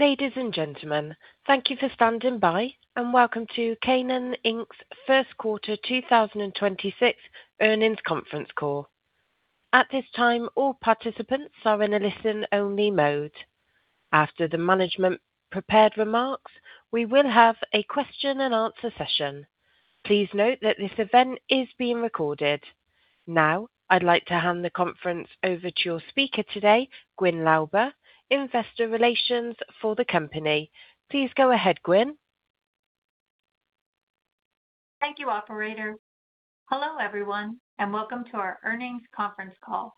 Ladies and gentlemen, thank you for standing by, and welcome to Canaan Inc.'s first quarter 2026 earnings conference call. At this time, all participants are in a listen-only mode. After the management prepared remarks, we will have a question and answer session. Please note that this event is being recorded. Now, I'd like to hand the conference over to your speaker today, Gwyn Lauber, Investor Relations for the company. Please go ahead, Gwyn. Thank you, operator. Hello, everyone, and welcome to our earnings conference call.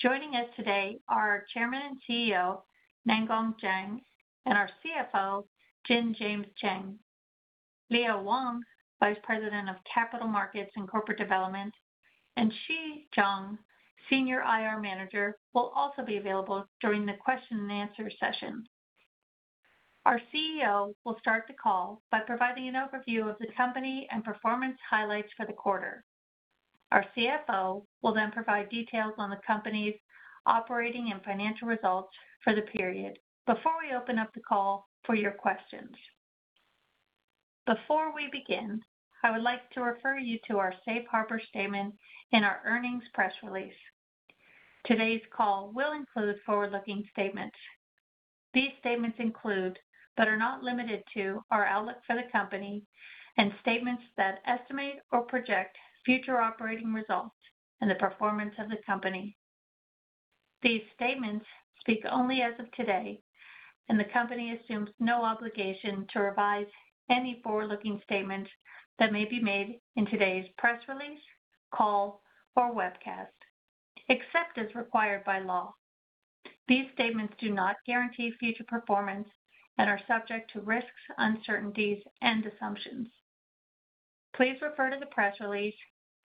Joining us today are our Chairman and CEO, Nangeng Zhang, and our CFO, Jin James Cheng. Leo Wang, Vice President of Capital Markets and Corporate Development, and Xi Zhang, Senior IR Manager, will also be available during the question and answer session. Our CEO will start the call by providing an overview of the company and performance highlights for the quarter. Our CFO will then provide details on the company's operating and financial results for the period before we open up the call for your questions. Before we begin, I would like to refer you to our safe harbor statement in our earnings press release. Today's call will include forward-looking statements. These statements include, but are not limited to, our outlook for the company and statements that estimate or project future operating results and the performance of the company. These statements speak only as of today, and the company assumes no obligation to revise any forward-looking statements that may be made in today's press release, call, or webcast, except as required by law. These statements do not guarantee future performance and are subject to risks, uncertainties and assumptions. Please refer to the press release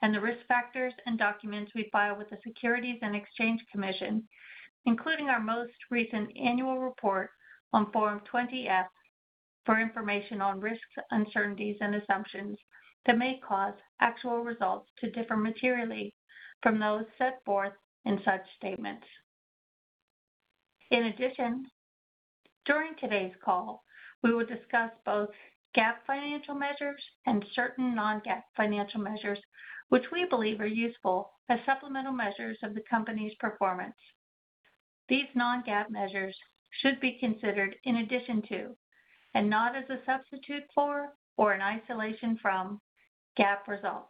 and the risk factors and documents we file with the Securities and Exchange Commission, including our most recent annual report on Form 20-F for information on risks, uncertainties, and assumptions that may cause actual results to differ materially from those set forth in such statements. In addition, during today's call, we will discuss both GAAP financial measures and certain non-GAAP financial measures, which we believe are useful as supplemental measures of the company's performance. These non-GAAP measures should be considered in addition to, and not as a substitute for or in isolation from, GAAP results.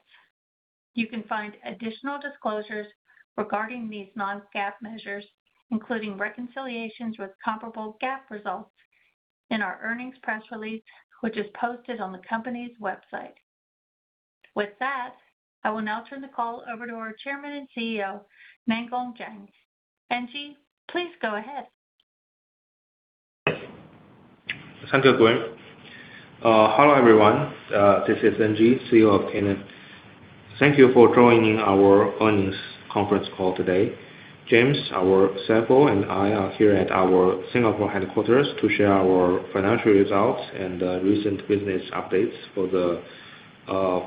You can find additional disclosures regarding these non-GAAP measures, including reconciliations with comparable GAAP results in our earnings press release, which is posted on the company's website. With that, I will now turn the call over to our Chairman and CEO, Nangeng Zhang. NG, please go ahead. Thank you, Gwyn. Hello, everyone. This is NG, CEO of Canaan. Thank you for joining our earnings conference call today. James, our CFO, and I are here at our Singapore headquarters to share our financial results and recent business updates for the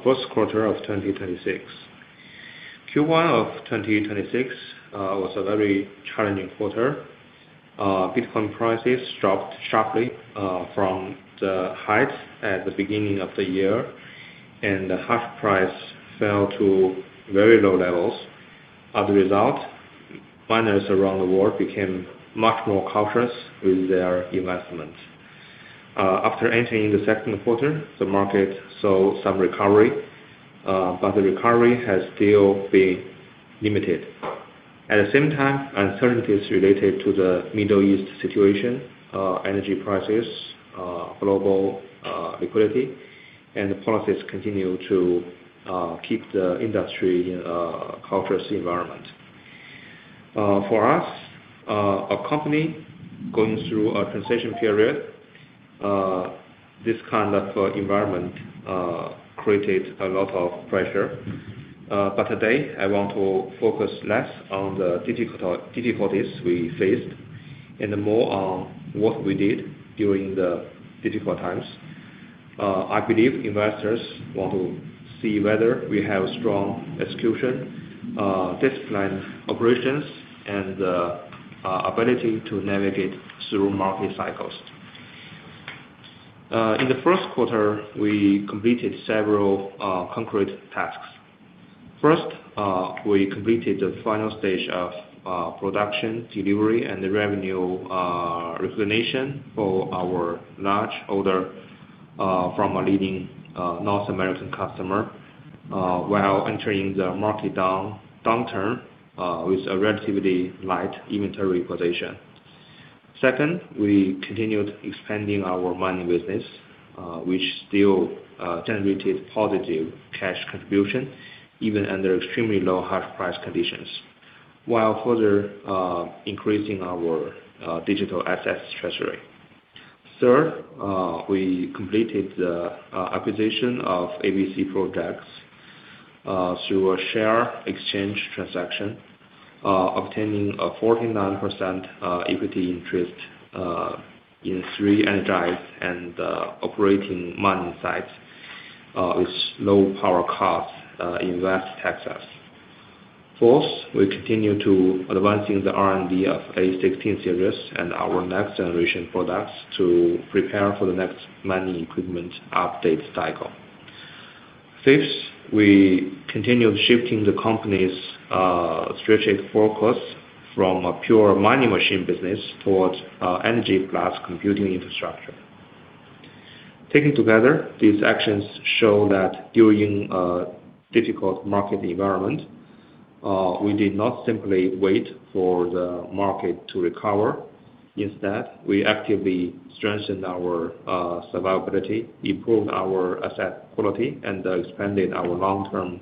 first quarter of 2026. Q1 of 2026 was a very challenging quarter. Bitcoin prices dropped sharply from the highs at the beginning of the year, and the hash price fell to very low levels. As a result, miners around the world became much more cautious with their investments. After entering the second quarter, the market saw some recovery, but the recovery has still been limited. At the same time, uncertainties related to the Middle East situation, energy prices, global liquidity and the policies continue to keep the industry in a cautious environment. For us, a company going through a transition period, this kind of environment created a lot of pressure. Today I want to focus less on the difficulties we faced and more on what we did during the difficult times. I believe investors want to see whether we have strong execution, disciplined operations, and ability to navigate through market cycles. In the first quarter, we completed several concrete tasks. First, we completed the final stage of production, delivery, and revenue recognition for our large order from a leading North American customer while entering the market downturn with a relatively light inventory position. Second, we continued expanding our mining business, which still generated positive cash contribution even under extremely low hash price conditions, while further increasing our digital asset treasury. Third, we completed the acquisition of ABC Projects, through a share exchange transaction, obtaining a 49% equity interest in three energized and operating mining sites with low power costs in West Texas. Fourth, we continue to advancing the R&D of A16 series and our next generation products to prepare for the next mining equipment update cycle. Fifth, we continue shifting the company's strategic focus from a pure mining machine business towards energy plus computing infrastructure. Taken together, these actions show that during a difficult market environment, we did not simply wait for the market to recover. Instead, we actively strengthened our survivability, improved our asset quality, and expanded our long-term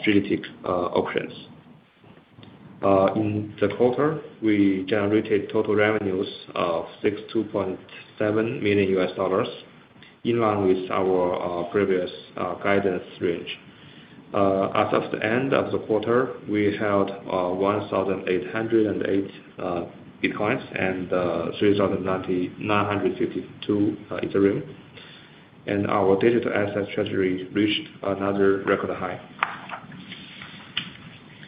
strategic options. In the quarter, we generated total revenues of $62.7 million, in line with our previous guidance range. As of the end of the quarter, we held 1,808 Bitcoins and 3,952 Ethereum. Our digital asset treasury reached another record high.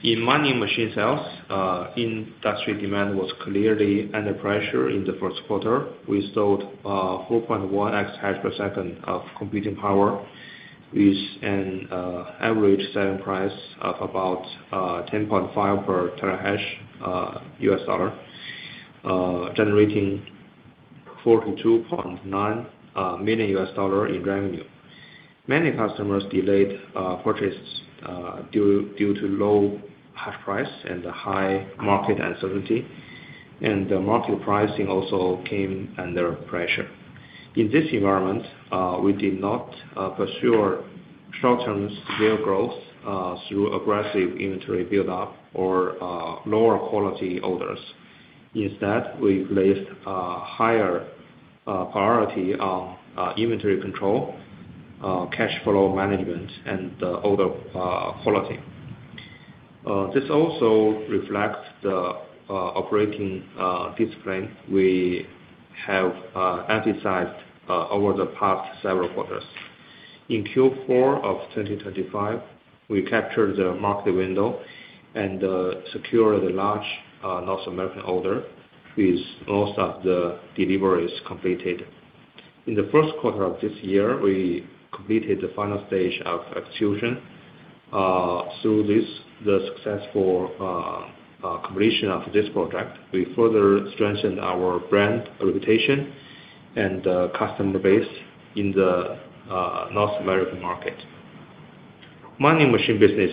In mining machine sales, industry demand was clearly under pressure in the first quarter. We sold 4.1 exahash per second of computing power with an average selling price of about $10.5 per terahash, generating $42.9 million in revenue. Many customers delayed purchases due to low hash price and high market uncertainty, and the market pricing also came under pressure. In this environment, we did not pursue short-term scale growth through aggressive inventory buildup or lower quality orders. Instead, we placed higher priority on inventory control, cash flow management, and order quality. This also reflects the operating discipline we have emphasized over the past several quarters. In Q4 of 2025, we captured the market window and secured a large North American order with most of the deliveries completed. In the first quarter of this year, we completed the final stage of execution. Through this, the successful completion of this project, we further strengthened our brand reputation and customer base in the North American market. Mining machine business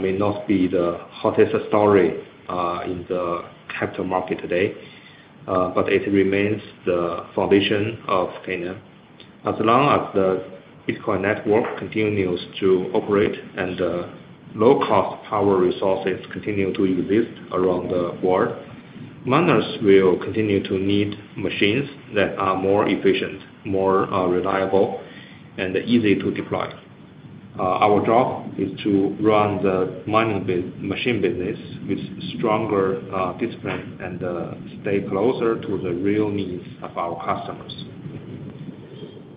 may not be the hottest story in the capital market today, but it remains the foundation of Canaan. As long as the Bitcoin network continues to operate and the low-cost power resources continue to exist around the world, miners will continue to need machines that are more efficient, more reliable, and easy to deploy. Our job is to run the mining machine business with stronger discipline and stay closer to the real needs of our customers.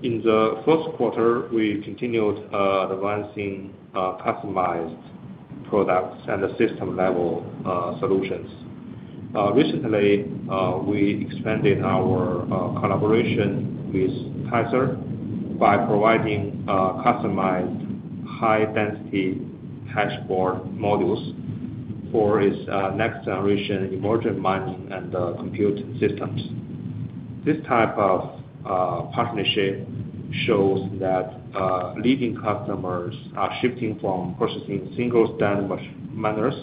In the first quarter, we continued advancing customized products and the system-level solutions. Recently, we expanded our collaboration with Tether by providing customized high-density hash board modules for its next-generation immersion mining and compute systems. This type of partnership shows that leading customers are shifting from purchasing single-standard miners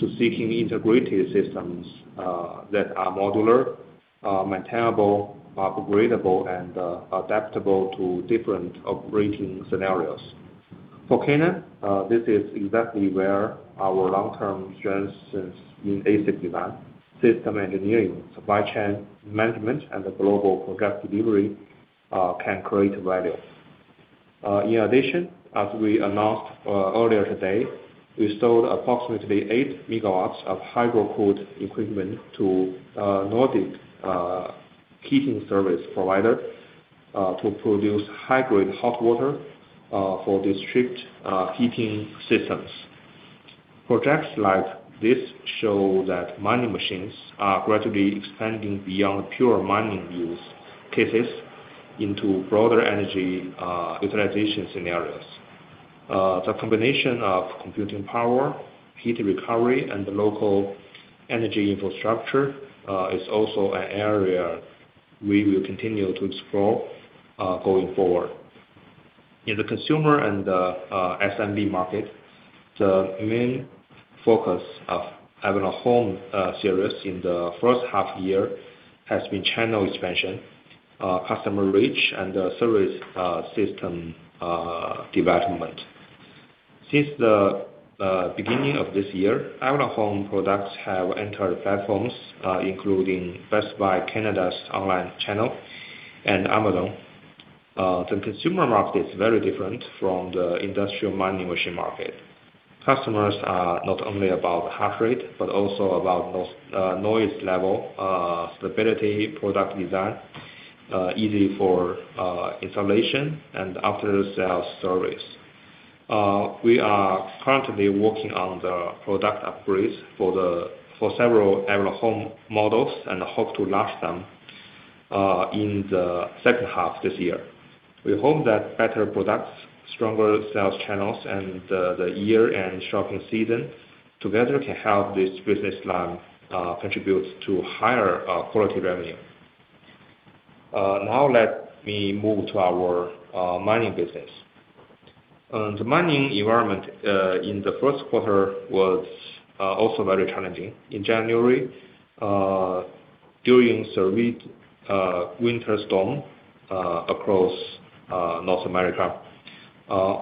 to seeking integrated systems that are modular, maintainable, upgradable, and adaptable to different operating scenarios. For Canaan, this is exactly where our long-term strengths in ASIC design, system engineering, supply chain management, and the global product delivery can create value. In addition, as we announced earlier today, we sold approximately 8 MW of hydro cool equipment to Nordic heating service provider to produce high-grade hot water for district heating systems. Projects like this show that mining machines are gradually expanding beyond pure mining use cases into broader energy utilization scenarios. The combination of computing power, heat recovery, and the local energy infrastructure is also an area we will continue to explore going forward. In the consumer and SMB market, the main focus of having an Avalon Home series in the first half year has been channel expansion, customer reach, and service system development. Since the beginning of this year, Avalon Home products have entered platforms including Best Buy Canada's online channel and Amazon. The consumer market is very different from the industrial mining machine market. Customers are not only about hash rate, but also about noise level, stability, product design, easy for installation and after sale service. We are currently working on the product upgrades for several Avalon Home models and hope to launch them in the second half this year. We hope that better products, stronger sales channels, and the year-end shopping season together can help this business line contribute to higher quality revenue. Now let me move to our mining business. The mining environment in the first quarter was also very challenging. In January, during severe winter storm across North America,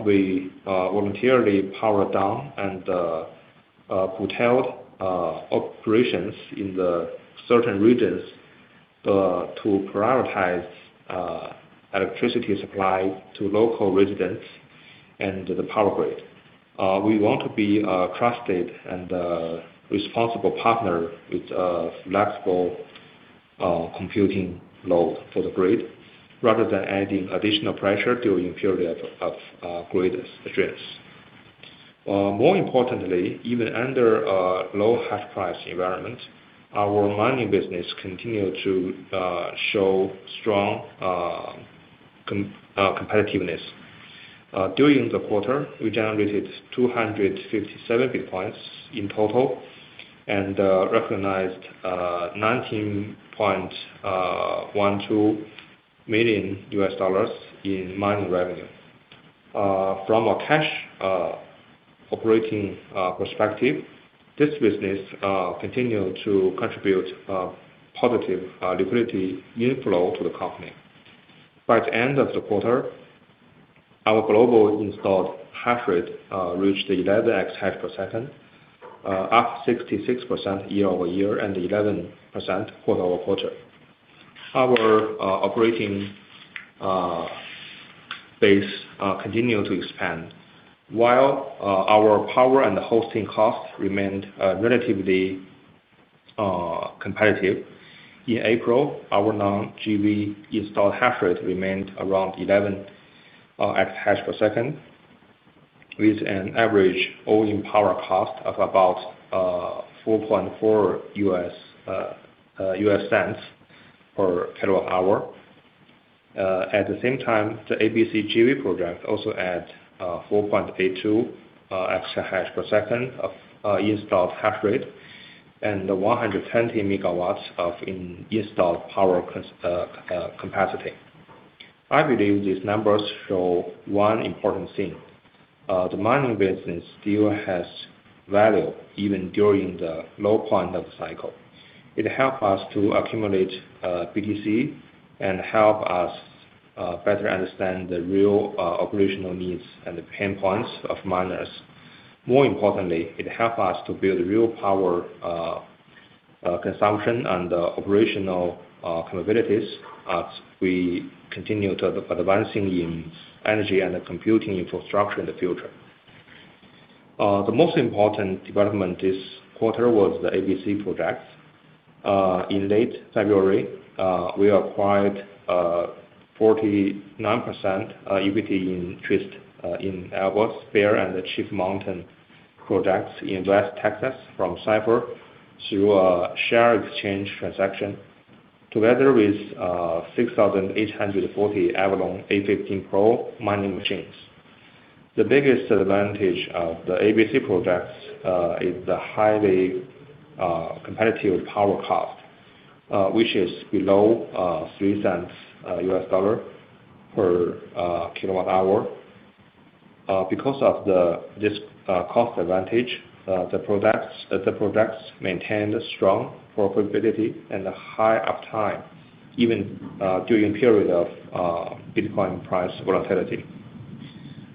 we voluntarily powered down and hotel operations in the certain regions to prioritize electricity supply to local residents and the power grid. We want to be a trusted and responsible partner with a flexible computing load for the grid, rather than adding additional pressure during period of grid stress. More importantly, even under a low hash price environment, our mining business continued to show strong competitiveness. During the quarter, we generated 257 Bitcoins in total and recognized $19.12 million in mining revenue. From a cash operating perspective, this business continued to contribute positive liquidity inflow to the company. By the end of the quarter, our global installed hash rate reached 11 exahash per second, up 66% year-over-year and 11% quarter-over-quarter. Our operating base continued to expand while our power and hosting costs remained relatively competitive. In April, our non-JV installed hash rate remained around 11 exahash per second, with an average all-in power cost of about $0.044 per kWh. At the same time, the ABC JV Project also adds 4.82 exahash per second of installed hash rate and 120 MW of installed power capacity. I believe these numbers show one important thing. The mining business still has value even during the low point of the cycle. It help us to accumulate BTC and help us better understand the real operational needs and the pain points of miners. More importantly, it help us to build real power consumption and operational capabilities as we continue to advancing in energy and the computing infrastructure in the future. The most important development this quarter was the ABC Project. In late February, we acquired 49% equity interest in Alborz, Bear, and the Chief Mountain projects in West Texas from Cipher through a share exchange transaction. Together with 6,840 Avalon A15 Pro mining machines. The biggest advantage of the ABC Project is the highly competitive power cost, which is below $0.03 per kWh. Because of this cost advantage, the projects maintain a strong profitability and a high uptime even during period of Bitcoin price volatility.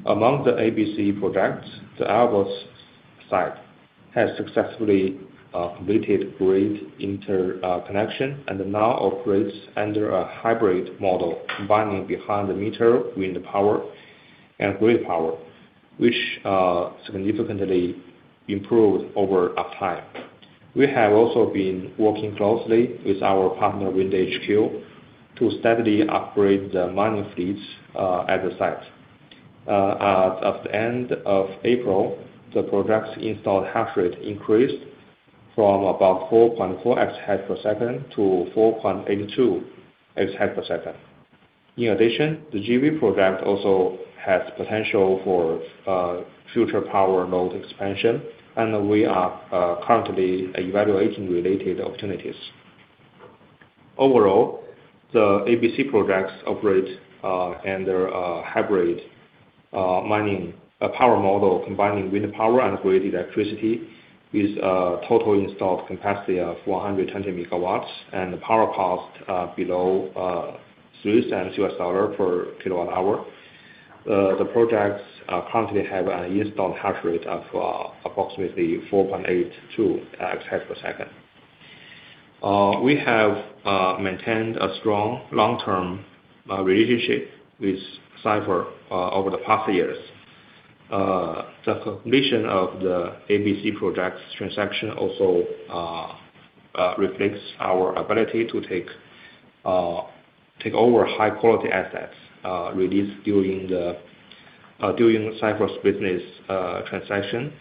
Among the ABC Projects, the Alborz site has successfully completed grid interconnection and now operates under a hybrid model combining behind-the-meter wind power and grid power, which significantly improved over uptime. We have also been working closely with our partner, WindHQ, to steadily upgrade the mining fleets at the site. At the end of April, the project's installed hash rate increased from about 4.4 exahash per second to 4.82 exahash per second. In addition, the JV project also has potential for future power load expansion, and we are currently evaluating related opportunities. Overall, the ABC projects operate under a hybrid mining power model, combining wind power and grid electricity with a total installed capacity of 120 MW and the power cost below $0.03 per kWh. The projects currently have an installed hash rate of approximately 4.82 exahash per second. We have maintained a strong long-term relationship with Cipher over the past years. The completion of the ABC Projects transaction also reflects our ability to take over high quality assets released during the Cipher's business transaction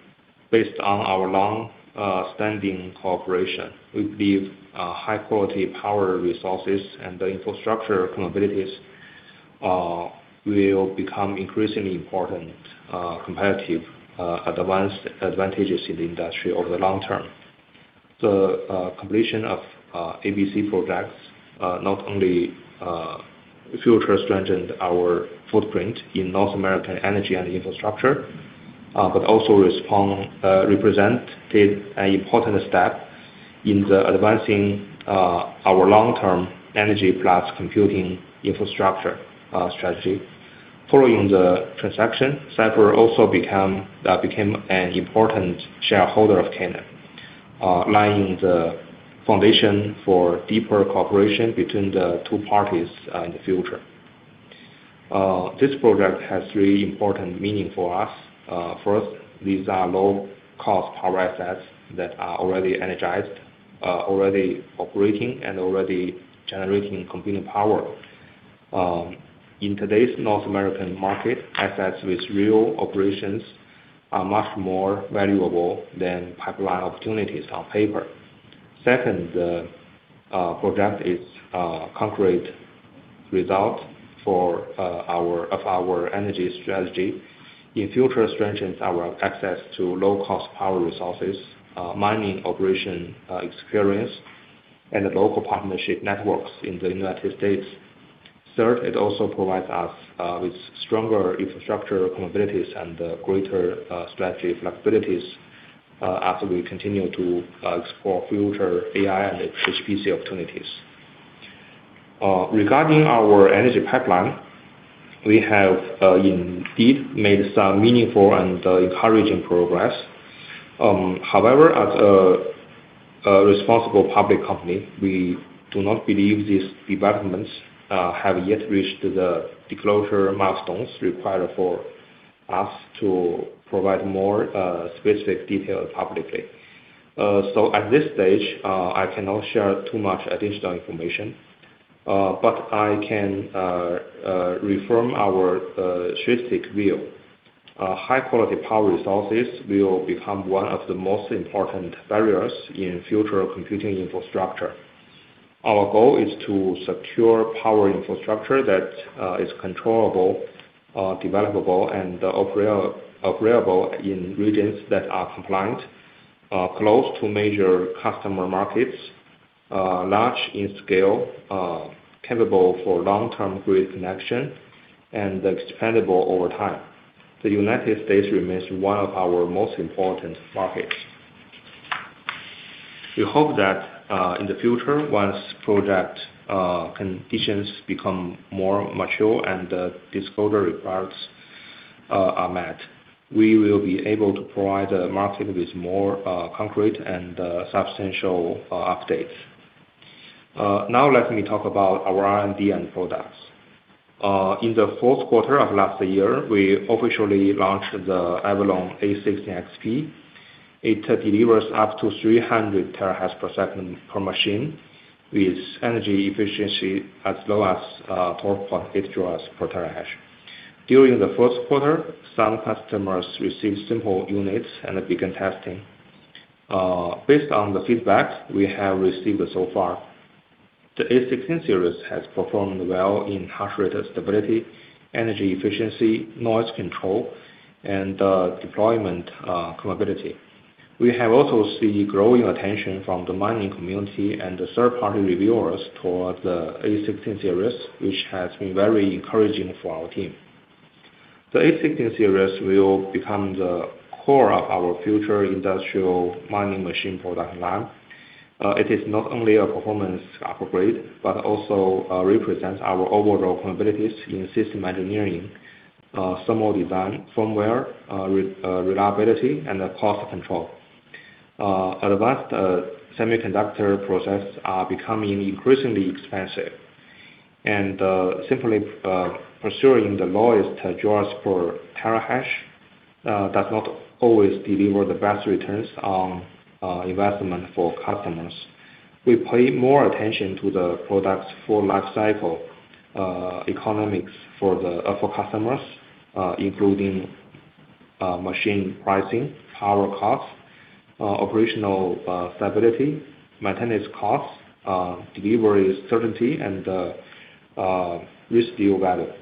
based on our long-standing cooperation with these high quality power resources and the infrastructure capabilities will become increasingly important competitive advanced advantages in the industry over the long term. The completion of ABC Projects not only future strengthen our footprint in North American energy and infrastructure, but also represented an important step in the advancing our long-term energy plus computing infrastructure strategy. Following the transaction, Cipher also became an important shareholder of Canaan, laying the foundation for deeper cooperation between the two parties in the future. This project has three important meaning for us. First, these are low cost power assets that are already energized, already operating, and already generating computing power. In today's North American market, assets with real operations are much more valuable than pipeline opportunities on paper. Second, the project is a concrete result of our energy strategy. It further strengthens our access to low cost power resources, mining operation, experience, and local partnership networks in the U.S. Third, it also provides us with stronger infrastructure capabilities and greater strategy flexibilities as we continue to explore future AI and HPC opportunities. Regarding our energy pipeline, we have indeed made some meaningful and encouraging progress. However, as a responsible public company, we do not believe these developments have yet reached the disclosure milestones required for us to provide more specific details publicly. At this stage, I cannot share too much additional information, but I can reaffirm our strategic view. High quality power resources will become one of the most important barriers in future computing infrastructure. Our goal is to secure power infrastructure that is controllable, developable, and opera-upgradable in regions that are compliant, close to major customer markets, large in scale, capable for long-term grid connection, and expandable over time. The United States remains one of our most important markets. We hope that, in the future, once project conditions become more mature and the disclosure requirements are met, we will be able to provide the market with more concrete and substantial updates. Now let me talk about our R&D end products. In the fourth quarter of last year, we officially launched the Avalon A16 XP. It delivers up to 300 terahash per second per machine with energy efficiency as low as 12.8 joules per terahash. During the first quarter, some customers received simple units and began testing. Based on the feedback we have received so far, the A16 series has performed well in hash rate stability, energy efficiency, noise control, and deployment capability. We have also seen growing attention from the mining community and the third-party reviewers toward the Avalon A16 series, which has been very encouraging for our team. The Avalon A16 series will become the core of our future industrial mining machine product line. It is not only a performance upgrade, but also represents our overall capabilities in system engineering, thermal design, firmware, reliability, and cost control. Advanced semiconductor process are becoming increasingly expensive. Simply pursuing the lowest joules per terahash does not always deliver the best returns on investment for customers. We pay more attention to the product's full life cycle economics for customers, including machine pricing, power costs, operational stability, maintenance costs, delivery certainty, and resale value.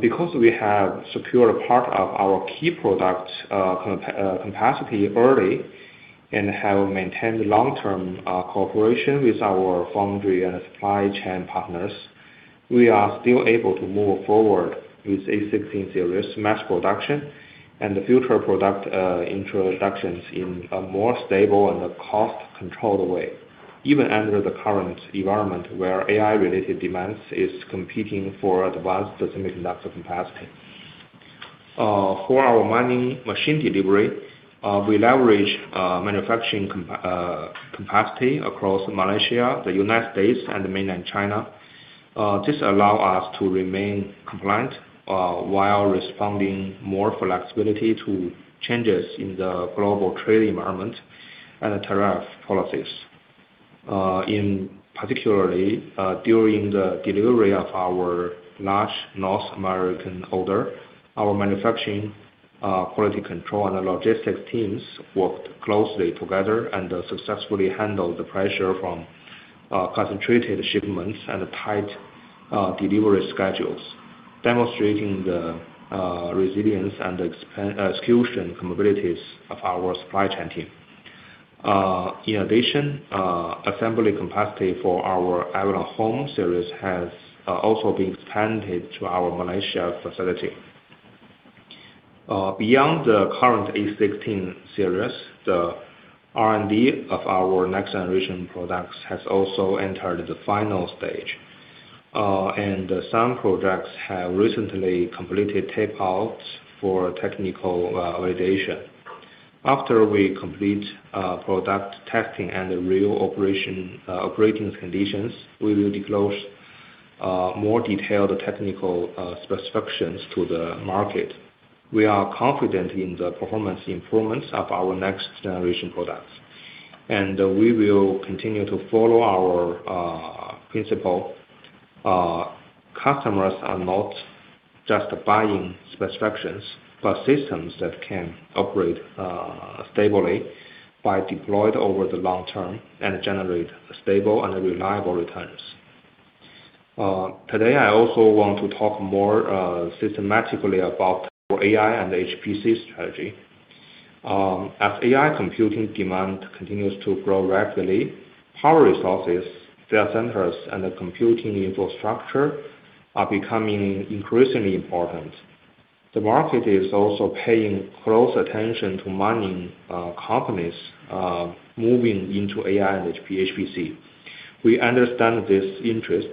Because we have secured part of our key product capacity early and have maintained long-term cooperation with our foundry and supply chain partners, we are still able to move forward with Avalon A16 series mass production and future product introductions in a more stable and a cost-controlled way, even under the current environment where AI-related demands is competing for advanced semiconductor capacity. For our mining machine delivery, we leverage manufacturing capacity across Malaysia, the United States, and Mainland China. This allow us to remain compliant while responding more flexibility to changes in the global trade environment and the tariff policies. In particularly, during the delivery of our large North American order, our manufacturing, quality control, and the logistics teams worked closely together and successfully handled the pressure from concentrated shipments and tight delivery schedules, demonstrating the resilience and expansion capabilities of our supply chain team. In addition, assembly capacity for our Avalon Home series has also been expanded to our Malaysia facility. Beyond the current A16 series, the R&D of our next generation products has also entered the final stage. Some products have recently completed tape-outs for technical validation. After we complete product testing and the real operation, operating conditions, we will disclose more detailed technical specifications to the market. We are confident in the performance improvements of our next generation products, and we will continue to follow our principle. Customers are not just buying specifications, but systems that can operate stably by deployed over the long term and generate stable and reliable returns. Today, I also want to talk more systematically about our AI and HPC strategy. As AI computing demand continues to grow rapidly, power resources, data centers, and the computing infrastructure are becoming increasingly important. The market is also paying close attention to mining companies moving into AI and HPC. We understand this interest.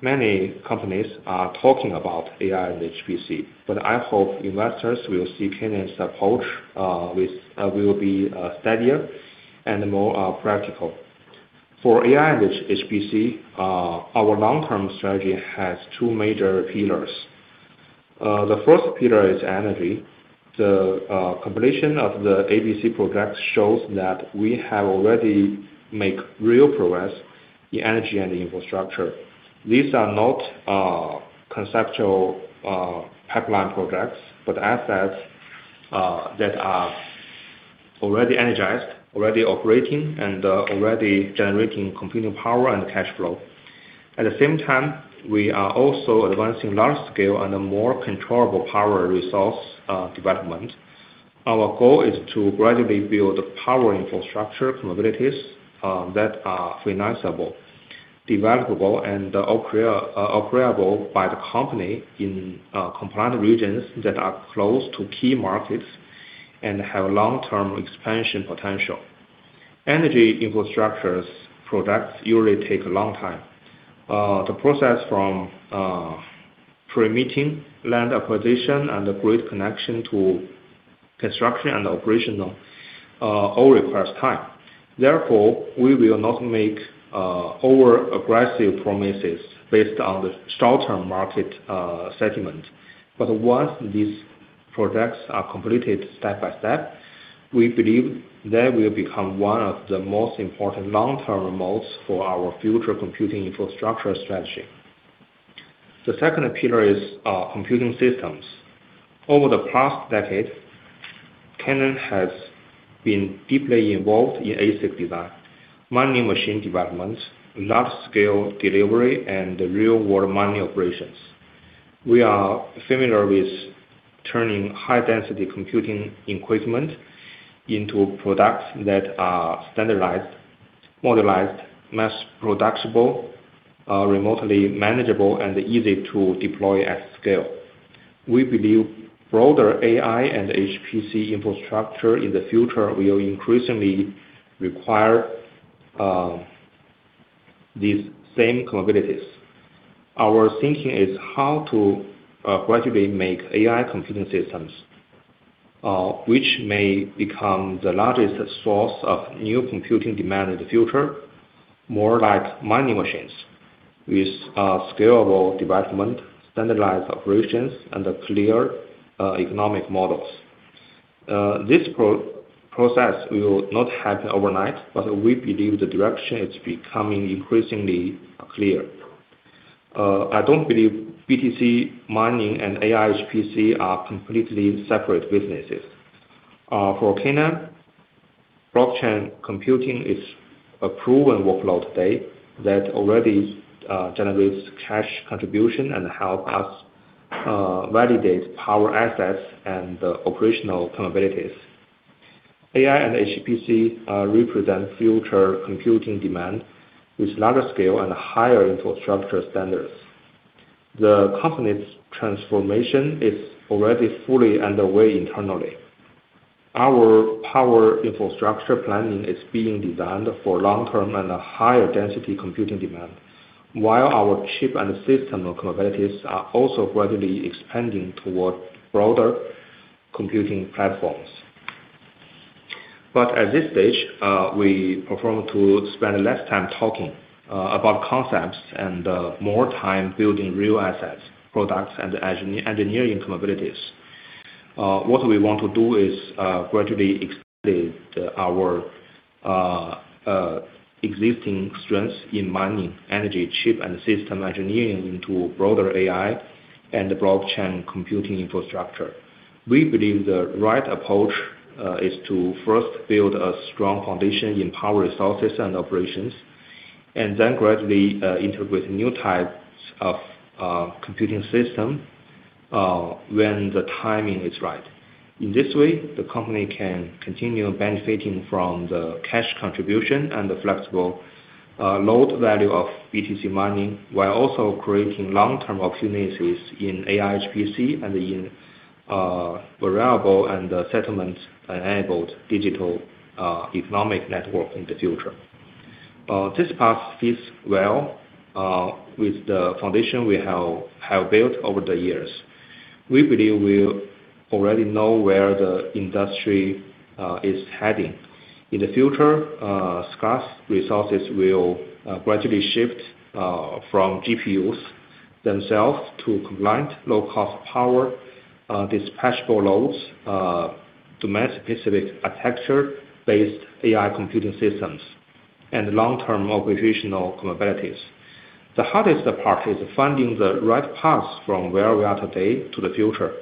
Many companies are talking about AI and HPC, but I hope investors will see Canaan's approach, which will be steadier and more practical. For AI and HPC, our long-term strategy has two major pillars. The first pillar is energy. The completion of the ABC Projects shows that we have already make real progress in energy and infrastructure. These are not conceptual pipeline projects, but assets that are already energized, already operating, and already generating computing power and cash flow. At the same time, we are also advancing large scale and a more controllable power resource development. Our goal is to gradually build power infrastructure capabilities that are financeable, developable, and operable by the company in compliant regions that are close to key markets and have long-term expansion potential. Energy infrastructures projects usually take a long time. The process from permitting land acquisition and the grid connection to construction and operational all requires time. Therefore, we will not make over-aggressive promises based on the short-term market sentiment. Once these projects are completed step by step, we believe they will become one of the most important long-term modes for our future computing infrastructure strategy. The second pillar is computing systems. Over the past decade, Canaan has been deeply involved in ASIC design, mining machine development, large-scale delivery, and real-world mining operations. We are familiar with turning high-density computing equipment into products that are standardized, modularized, mass producible, remotely manageable, and easy to deploy at scale. We believe broader AI and HPC infrastructure in the future will increasingly require these same capabilities. Our thinking is how to gradually make AI computing systems, which may become the largest source of new computing demand in the future, more like mining machines with scalable development, standardized operations, and clear economic models. This process will not happen overnight, but we believe the direction is becoming increasingly clear. I don't believe BTC mining and AI HPC are completely separate businesses. For Canaan, blockchain computing is a proven workload today that already generates cash contribution and help us validate power assets and operational capabilities. AI and HPC represent future computing demand with larger scale and higher infrastructure standards. The company's transformation is already fully underway internally. Our power infrastructure planning is being designed for long-term and higher density computing demand. While our chip and system capabilities are also gradually expanding toward broader computing platforms. At this stage, we prefer to spend less time talking about concepts and more time building real assets, products, and engineering capabilities. What we want to do is gradually expand our existing strengths in mining, energy, chip, and system engineering into broader AI and blockchain computing infrastructure. We believe the right approach is to first build a strong foundation in power resources and operations, and then gradually integrate new types of computing system when the timing is right. In this way, the company can continue benefiting from the cash contribution and the flexible load value of BTC mining, while also creating long-term opportunities in AI HPC and in variable and settlement-enabled digital economic network in the future. This path fits well with the foundation we have built over the years. We believe we already know where the industry is heading. In the future, scarce resources will gradually shift from GPUs themselves to compliant low-cost power, dispatchable loads, domain-specific architecture-based AI computing systems, and long-term operational capabilities. The hardest part is finding the right path from where we are today to the future.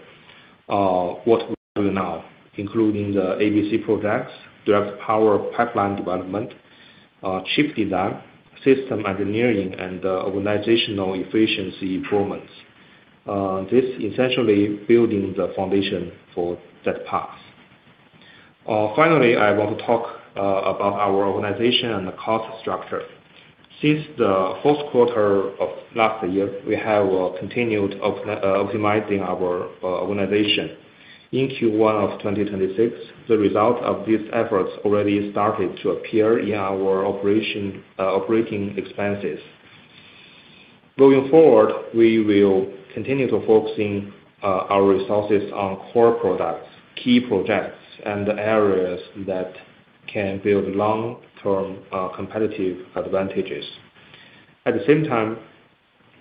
What we do now, including the ABC Projects, direct power pipeline development, chip design, system engineering, and organizational efficiency improvements. This essentially building the foundation for that path. Finally, I want to talk about our organization and the cost structure. Since the fourth quarter of last year, we have continued optimizing our organization. In Q1 of 2026, the result of these efforts already started to appear in our operating expenses. Going forward, we will continue to focusing our resources on core products, key projects, and areas that can build long-term competitive advantages. At the same time,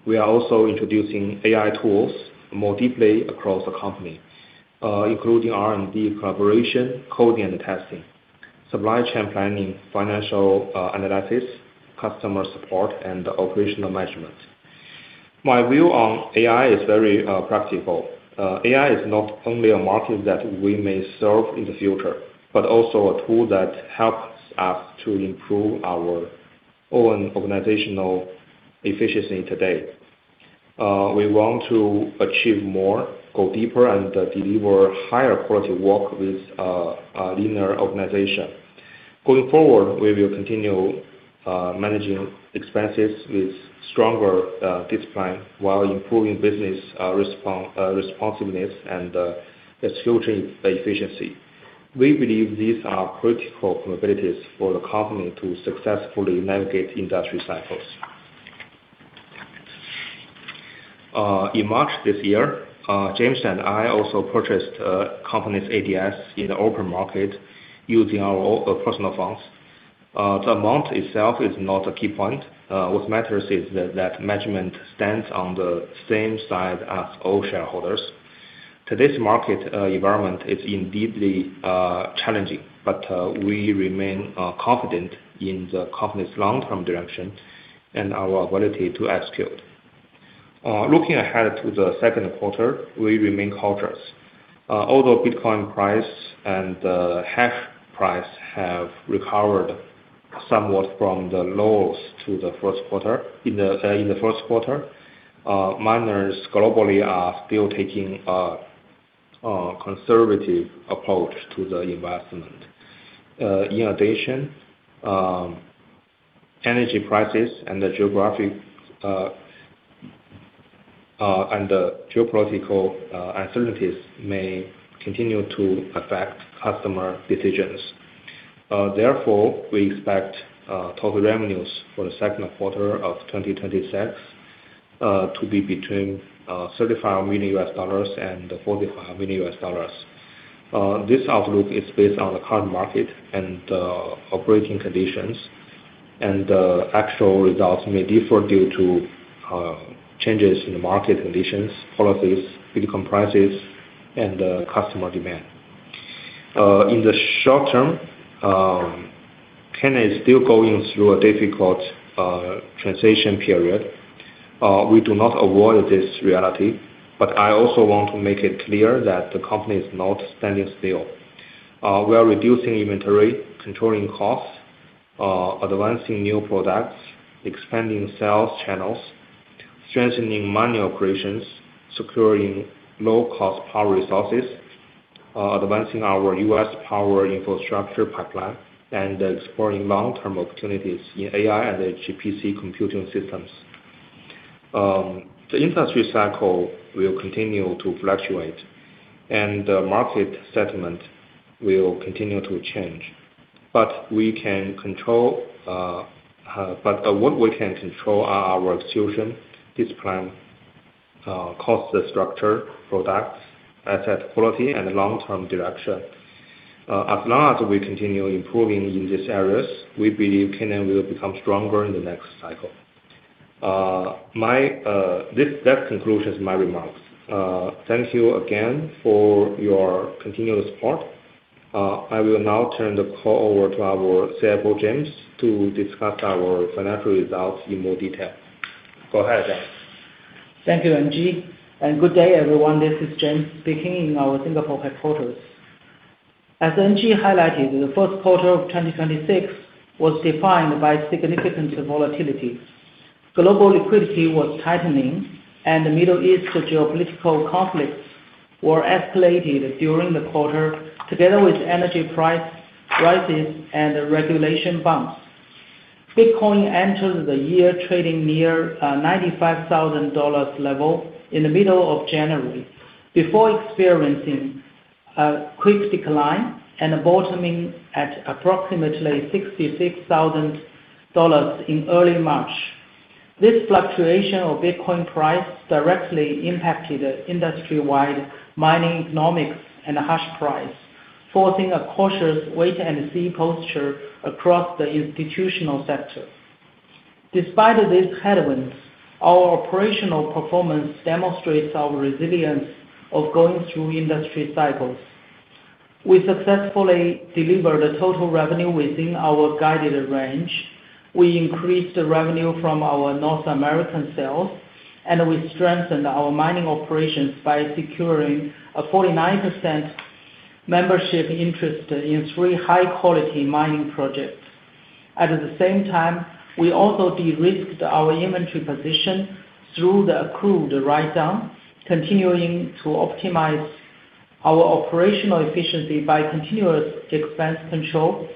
we are also introducing AI tools more deeply across the company, including R&D collaboration, coding and testing, supply chain planning, financial analysis, customer support, and operational measurement. My view on AI is very practical. AI is not only a market that we may serve in the future, but also a tool that helps us to improve our own organizational efficiency today. We want to achieve more, go deeper, and deliver higher quality work with our linear organization. Going forward, we will continue managing expenses with stronger discipline while improving business responsiveness and execution efficiency. We believe these are critical capabilities for the company to successfully navigate industry cycles. In March this year, James and I also purchased company's ADS in the open market using our own personal funds. The amount itself is not a key point. What matters is that management stands on the same side as all shareholders. Today's market environment is indeed challenging, but we remain confident in the company's long-term direction and our ability to execute. Looking ahead to the second quarter, we remain cautious. Although Bitcoin price and the hash price have recovered somewhat from the lows in the first quarter, miners globally are still taking a conservative approach to the investment. In addition, energy prices and the geographic and the geopolitical uncertainties may continue to affect customer decisions. Therefore, we expect total revenues for the second quarter of 2026 to be between $35 million and $45 million. This outlook is based on the current market and operating conditions, and actual results may differ due to changes in the market conditions, policies, Bitcoin prices, and customer demand. In the short term, Canaan is still going through a difficult transition period. We do not avoid this reality, but I also want to make it clear that the company is not standing still. We are reducing inventory, controlling costs, advancing new products, expanding sales channels, strengthening mining operations, securing low-cost power resources, advancing our U.S. power infrastructure pipeline, and exploring long-term opportunities in AI and HPC computing systems. The industry cycle will continue to fluctuate, and the market sentiment will continue to change. What we can control are our execution, discipline, cost structure, products, asset quality, and long-term direction. As long as we continue improving in these areas, we believe Canaan will become stronger in the next cycle. That concludes my remarks. Thank you again for your continuous support. I will now turn the call over to our CFO, James, to discuss our financial results in more detail. Go ahead, James. Thank you, NG. Good day, everyone. This is James speaking in our Singapore headquarters. As NG highlighted, the first quarter of 2026 was defined by significant volatility. Global liquidity was tightening, and the Middle East geopolitical conflicts were escalated during the quarter, together with energy price rises and regulation bumps. Bitcoin entered the year trading near $95,000 level in the middle of January, before experiencing a quick decline and bottoming at approximately $66,000 in early March. This fluctuation of Bitcoin price directly impacted industry-wide mining economics and hash price, forcing a cautious wait and see posture across the institutional sector. Despite these headwinds, our operational performance demonstrates our resilience of going through industry cycles. We successfully delivered the total revenue within our guided range. We increased the revenue from our North American sales, and we strengthened our mining operations by securing a 49% membership interest in three high-quality mining projects. At the same time, we also de-risked our inventory position through the accrued write-down, continuing to optimize our operational efficiency by continuous expense control.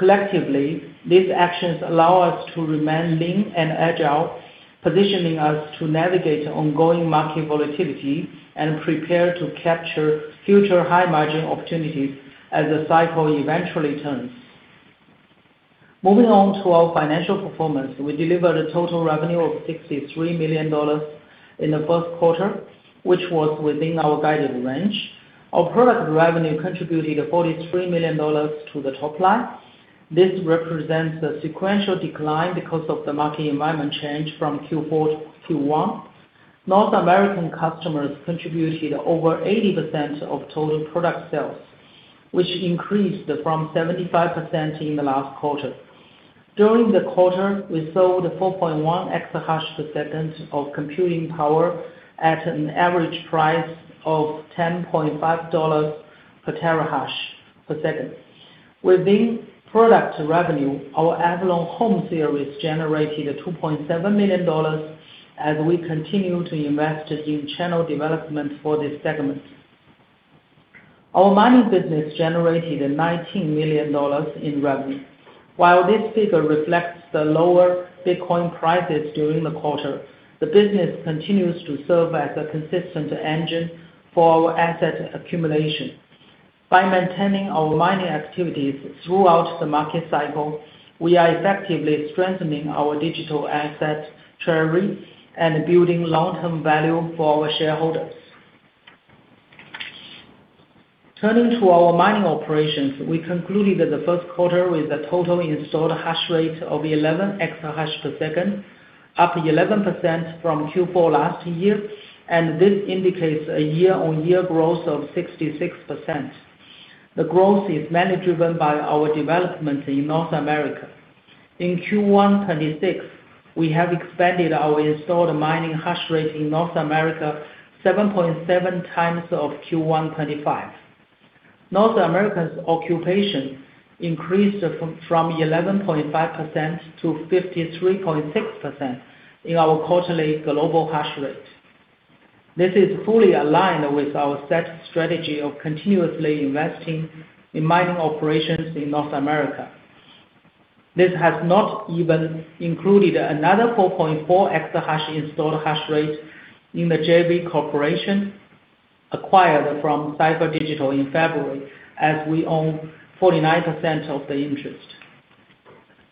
Collectively, these actions allow us to remain lean and agile, positioning us to navigate ongoing market volatility and prepare to capture future high-margin opportunities as the cycle eventually turns. Moving on to our financial performance, we delivered a total revenue of $63 million in the first quarter, which was within our guided range. Our product revenue contributed $43 million to the top line. This represents a sequential decline because of the market environment change from Q4 to Q1. North American customers contributed over 80% of total product sales, which increased from 75% in the last quarter. During the quarter, we sold 4.1 exahash per second of computing power at an average price of $10.5 per terahash per second. Within product revenue, our Avalon Home series generated $2.7 million as we continue to invest in channel development for this segment. Our mining business generated $19 million in revenue. While this figure reflects the lower Bitcoin prices during the quarter, the business continues to serve as a consistent engine for our asset accumulation. By maintaining our mining activities throughout the market cycle, we are effectively strengthening our digital asset treasury and building long-term value for our shareholders. Turning to our mining operations, we concluded the first quarter with a total installed hash rate of 11 exahash per second, up 11% from Q4 last year. This indicates a year-on-year growth of 66%. The growth is mainly driven by our developments in North America. In Q1 2026, we have expanded our installed mining hash rate in North America 7.7 times of Q1 2025. North America's occupation increased from 11.5%-53.6% in our quarterly global hash rate. This is fully aligned with our set strategy of continuously investing in mining operations in North America. This has not even included another 4.4 exahash installed hash rate in the JV cooperation acquired from Cipher Digital in February, as we own 49% of the interest.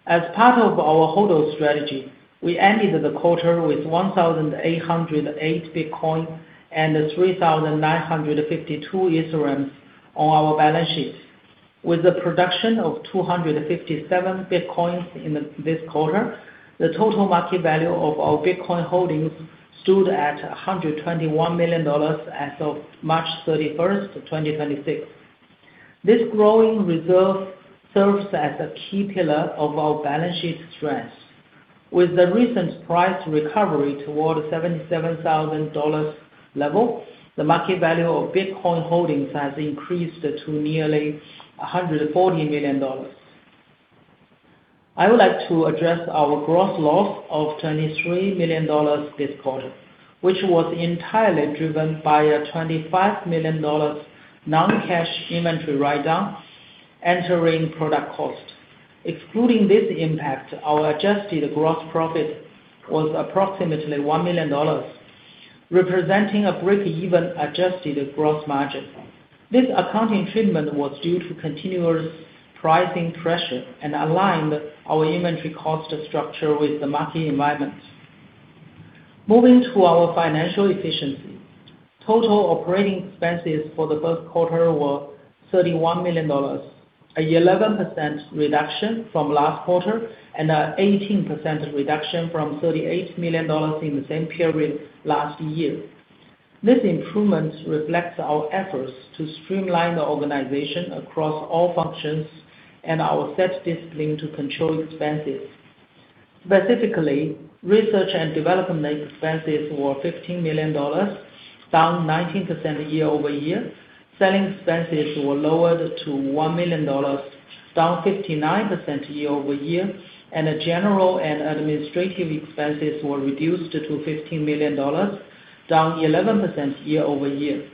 As part of our HODL strategy, we ended the quarter with 1,808 Bitcoin and 3,952 Ethereums on our balance sheet. With a production of 257 Bitcoins in this quarter, the total market value of our Bitcoin holdings stood at $121 million as of March 31st, 2026. This growing reserve serves as a key pillar of our balance sheet strength. With the recent price recovery toward $77,000 level, the market value of Bitcoin holdings has increased to nearly $140 million. I would like to address our gross loss of $23 million this quarter, which was entirely driven by a $25 million non-cash inventory write-down entering product cost. Excluding this impact, our adjusted gross profit was approximately $1 million, representing a break-even adjusted gross margin. This accounting treatment was due to continuous pricing pressure and aligned our inventory cost structure with the market environment. Moving to our financial efficiency. Total operating expenses for the first quarter were $31 million, an 11% reduction from last quarter and an 18% reduction from $38 million in the same period last year. This improvement reflects our efforts to streamline the organization across all functions and our set discipline to control expenses. Specifically, research and development expenses were $15 million, down 19% year-over-year. Selling expenses were lowered to $1 million, down 59% year-over-year. The general and administrative expenses were reduced to $15 million, down 11% year-over-year.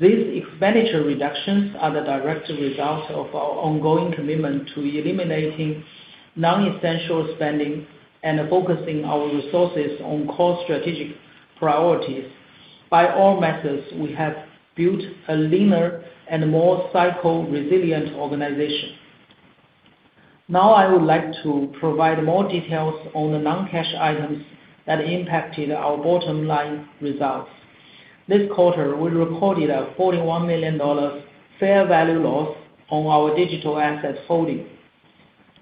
These expenditure reductions are the direct result of our ongoing commitment to eliminating non-essential spending and focusing our resources on core strategic priorities. By all methods, we have built a leaner and more cycle-resilient organization. I would like to provide more details on the non-cash items that impacted our bottom line results. This quarter, we recorded a $41 million fair value loss on our digital asset holding.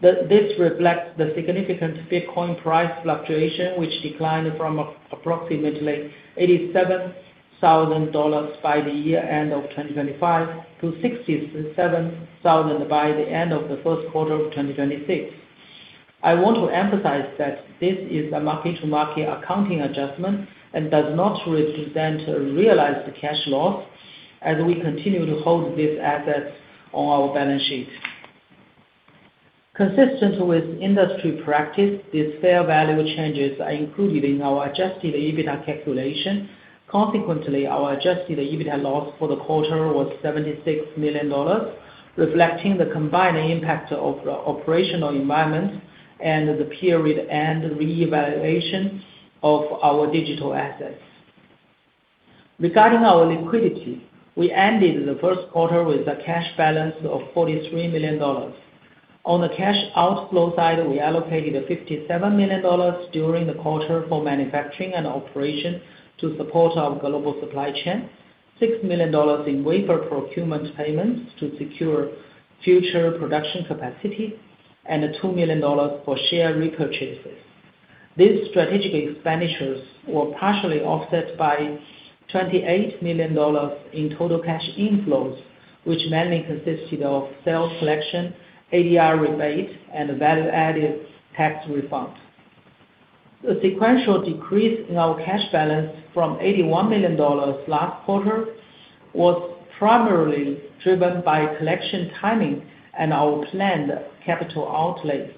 This reflects the significant Bitcoin price fluctuation, which declined from approximately $87,000 by the year end of 2025 to $67,000 by the end of the first quarter of 2026. I want to emphasize that this is a market-to-market accounting adjustment and does not represent a realized cash loss as we continue to hold these assets on our balance sheet. Consistent with industry practice, these fair value changes are included in our adjusted EBITDA calculation. Consequently, our adjusted EBITDA loss for the quarter was $76 million, reflecting the combined impact of the operational environment and the period end reevaluation of our digital assets. Regarding our liquidity, we ended the first quarter with a cash balance of $43 million. On the cash outflow side, we allocated $57 million during the quarter for manufacturing and operation to support our global supply chain, $6 million in wafer procurement payments to secure future production capacity, and $2 million for share repurchases. These strategic expenditures were partially offset by $28 million in total cash inflows, which mainly consisted of sales collection, ADR rebate, and value-added tax refund. The sequential decrease in our cash balance from $81 million last quarter was primarily driven by collection timing and our planned capital outlets.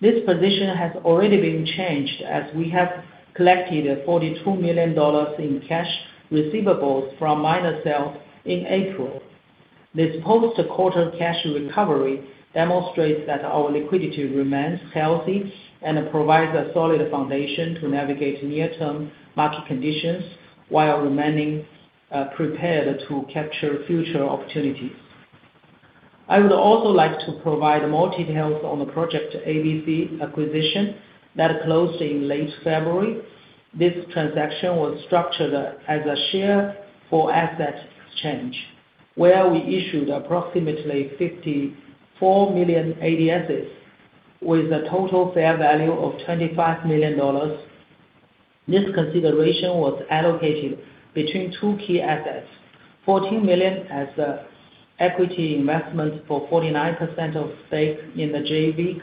This position has already been changed as we have collected $42 million in cash receivables from miner sales in April. This post-quarter cash recovery demonstrates that our liquidity remains healthy and provides a solid foundation to navigate near-term market conditions while remaining prepared to capture future opportunities. I would also like to provide more details on the Project ABC acquisition that closed in late February. This transaction was structured as a share for asset exchange, where we issued approximately 54 million ADSs with a total fair value of $25 million. This consideration was allocated between two key assets. $14 million as equity investment for 49% of stake in the JV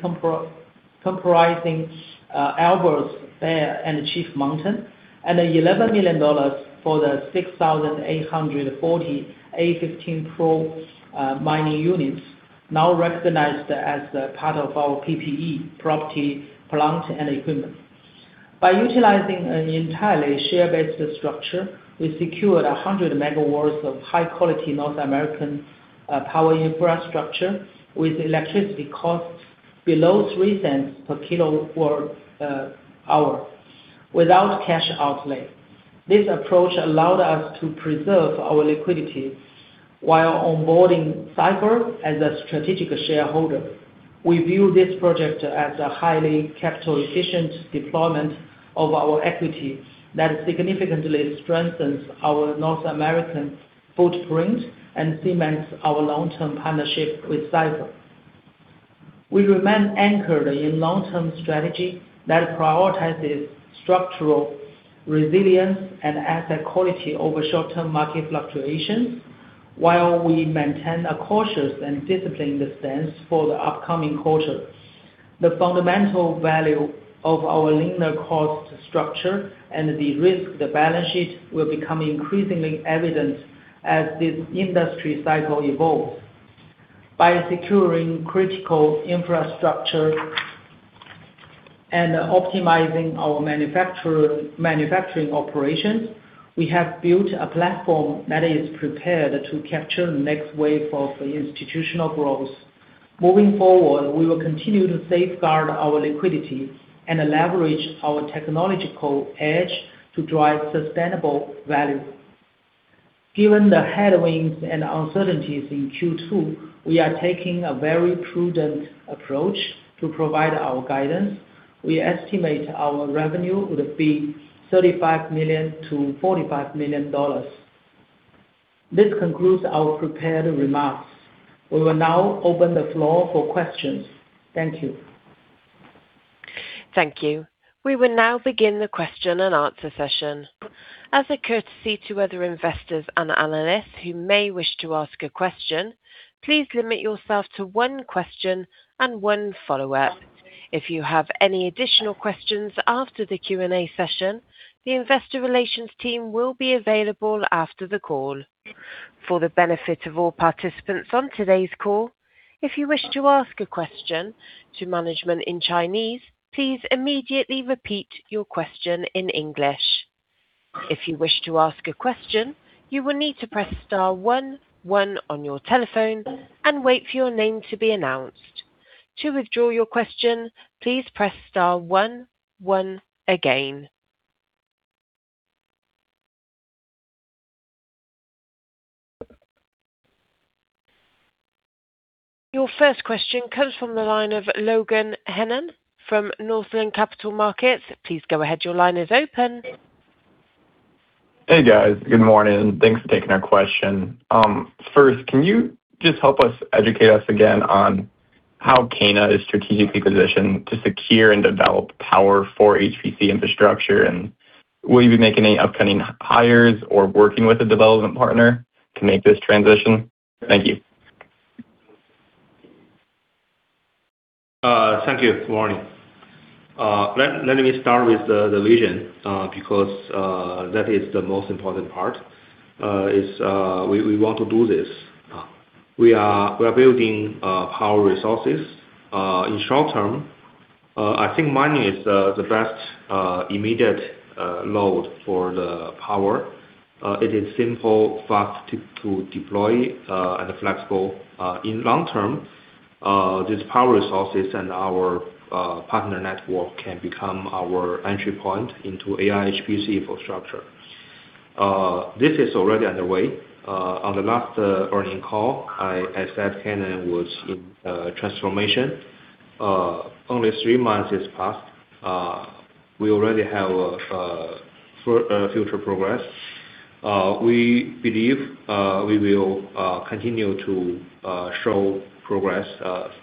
comprising Alborz and Chief Mountain, and $11 million for the 6,840 A15 Pro mining units now recognized as a part of our PPE, property, plant, and equipment. By utilizing an entirely share-based structure, we secured 100 MW of high-quality North American power infrastructure with electricity costs below $0.03 per kWh without cash outlay. This approach allowed us to preserve our liquidity while onboarding Cipher as a strategic shareholder. We view this project as a highly capital-efficient deployment of our equity that significantly strengthens our North American footprint and cements our long-term partnership with Cipher. We remain anchored in long-term strategy that prioritizes structural resilience and asset quality over short-term market fluctuations while we maintain a cautious and disciplined stance for the upcoming quarter. The fundamental value of our linear cost structure and de-risked balance sheet will become increasingly evident as this industry cycle evolves. By securing critical infrastructure and optimizing our manufacturing operations, we have built a platform that is prepared to capture the next wave of institutional growth. Moving forward, we will continue to safeguard our liquidity and leverage our technological edge to drive sustainable value. Given the headwinds and uncertainties in Q2, we are taking a very prudent approach to provide our guidance. We estimate our revenue would be $35 million-$45 million. This concludes our prepared remarks. We will now open the floor for questions. Thank you. Thank you. We will now begin the question and answer session. As a courtesy to other investors and analysts who may wish to ask a question, please limit yourself to one question and one follow-up. If you have any additional questions after the Q&A session, the investor relations team will be available after the call. For the benefit of all participants on today's call, if you wish to ask a question to management in Chinese, please immediately repeat your question in English. If you wish to ask a question, you will need to press star one one on your telephone and wait for your name to be announced. To withdraw your question, please press star one one again. Your first question comes from the line of Logan Hennen from Northland Capital Markets. Please go ahead. Your line is open. Hey, guys. Good morning. Thanks for taking our question. First, can you just help us educate us again on how Canaan is strategically positioned to secure and develop power for HPC infrastructure? Will you be making any upcoming hires or working with a development partner to make this transition? Thank you. Thank you. Good morning. Let me start with the vision, because that is the most important part. We want to do this. We are building power resources. In short term, I think mining is the best immediate load for the power. It is simple, fast to deploy and flexible. In long term, these power resources and our partner network can become our entry point into AI HPC infrastructure. This is already underway. On the last earning call, I said Canaan was in transformation. Only three months has passed. We already have a future progress. We believe we will continue to show progress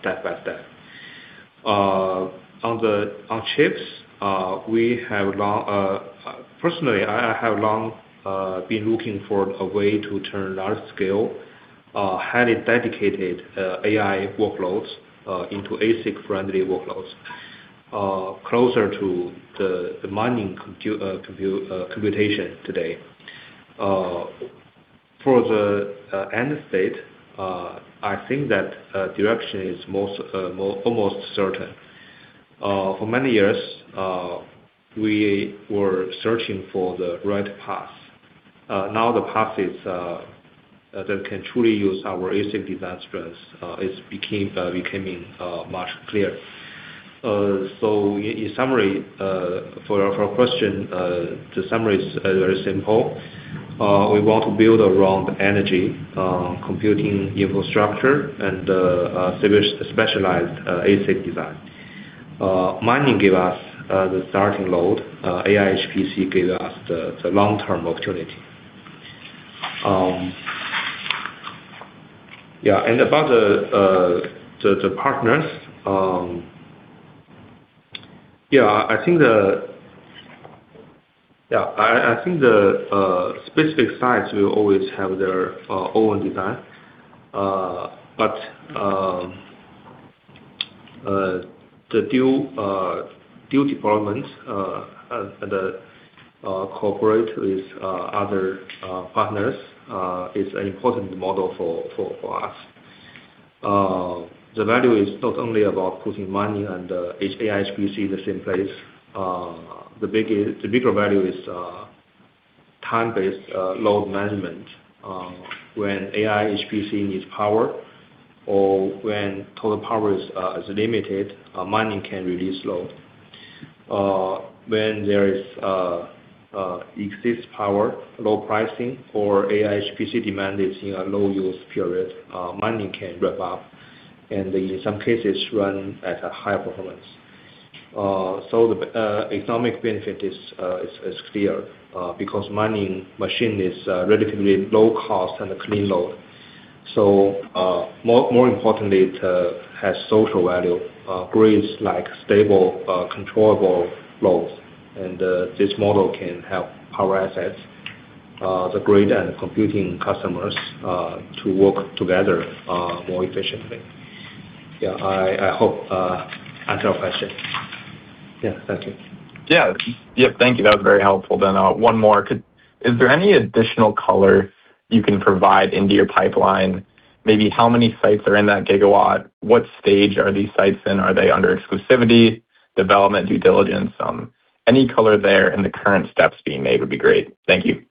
step by step. On the, on chips, we have long, Personally, I have long, been looking for a way to turn large scale, highly dedicated, AI workloads, into ASIC-friendly workloads, closer to the mining computation today. For the, end state, I think that direction is most, almost certain. For many years, we were searching for the right path. Now the path is, that can truly use our ASIC design strengths. It's became, becoming, much clear. In summary, for question, the summary is very simple. We want to build around energy, computing infrastructure and, specialized, ASIC design. Mining give us, the starting load. AI HPC give us the long-term opportunity. About the partners, I think the specific sites will always have their own design. But the dual deployment and the cooperate with other partners is an important model for us. The value is not only about putting money and AI HPC in the same place. The bigger value is time-based load management. When AI HPC needs power or when total power is limited, mining can release load. When there is excess power, low pricing, or AI HPC demand is in a low use period, mining can rev up and in some cases run at a higher performance. The economic benefit is clear because mining machine is relatively low cost and a clean load. More importantly, it has social value. Grids like stable, controllable loads. This model can help power assets, the grid and computing customers to work together more efficiently. I hope I answered your question. Thank you. Yeah. Yeah, thank you. That was very helpful. One more. Is there any additional color you can provide into your pipeline? Maybe how many sites are in that gigawatt? What stage are these sites in? Are they under exclusivity, development, due diligence? Any color there in the current steps being made would be great. Thank you.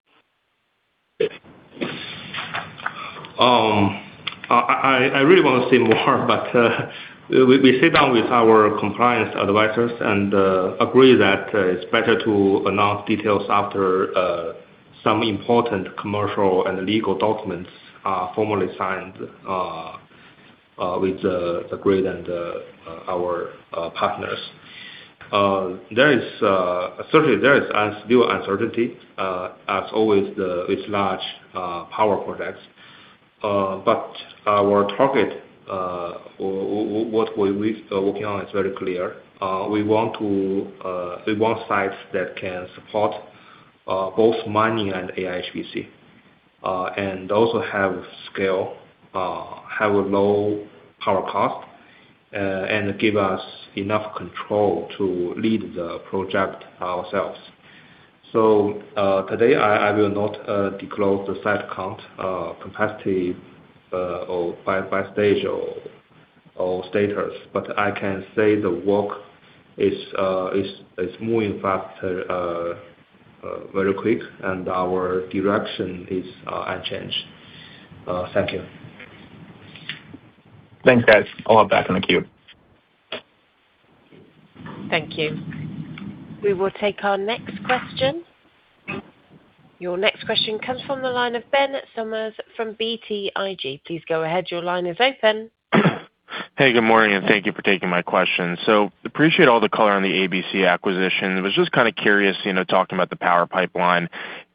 I really want to say more, but we sit down with our compliance advisors and agree that it's better to announce details after some important commercial and legal documents are formally signed with the grid and our partners. There is certainly still uncertainty as always with large power projects. But our target, what we are working on is very clear. We want to, we want sites that can support both mining and AI HPC, and also have scale, have a low power cost, and give us enough control to lead the project ourselves. Today I will not disclose the site count, capacity, or by stage or status, but I can say the work is moving faster, very quick and our direction is unchanged. Thank you. Thanks, guys. I'll hop back on the queue. Thank you. We will take our next question. Your next question comes from the line of Ben Sommers from BTIG. Please go ahead. Your line is open. Hey, good morning, and thank you for taking my question. Appreciate all the color on the ABC acquisition. Was just kind of curious, you know, talking about the power pipeline.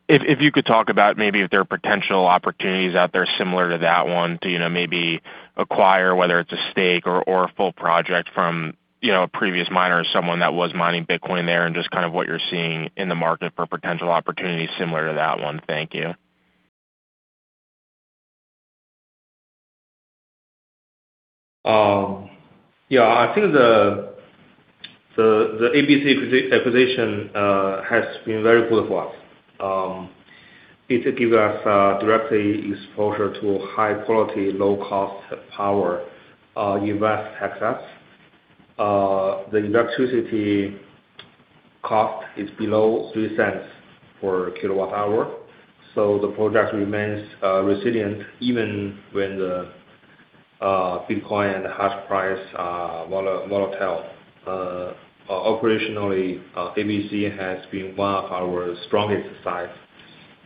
If you could talk about maybe if there are potential opportunities out there similar to that one to, you know, maybe acquire whether it's a stake or a full project from, you know, a previous miner or someone that was mining Bitcoin there, and just kind of what you're seeing in the market for potential opportunities similar to that one. Thank you. Yeah. I think the ABC acquisition has been very good for us. It gives us directly exposure to high quality, low cost power, invest access. The electricity cost is below $0.03 per kilowatt hour, so the project remains resilient even when the Bitcoin hash price volatile. Operationally, ABC has been one of our strongest sites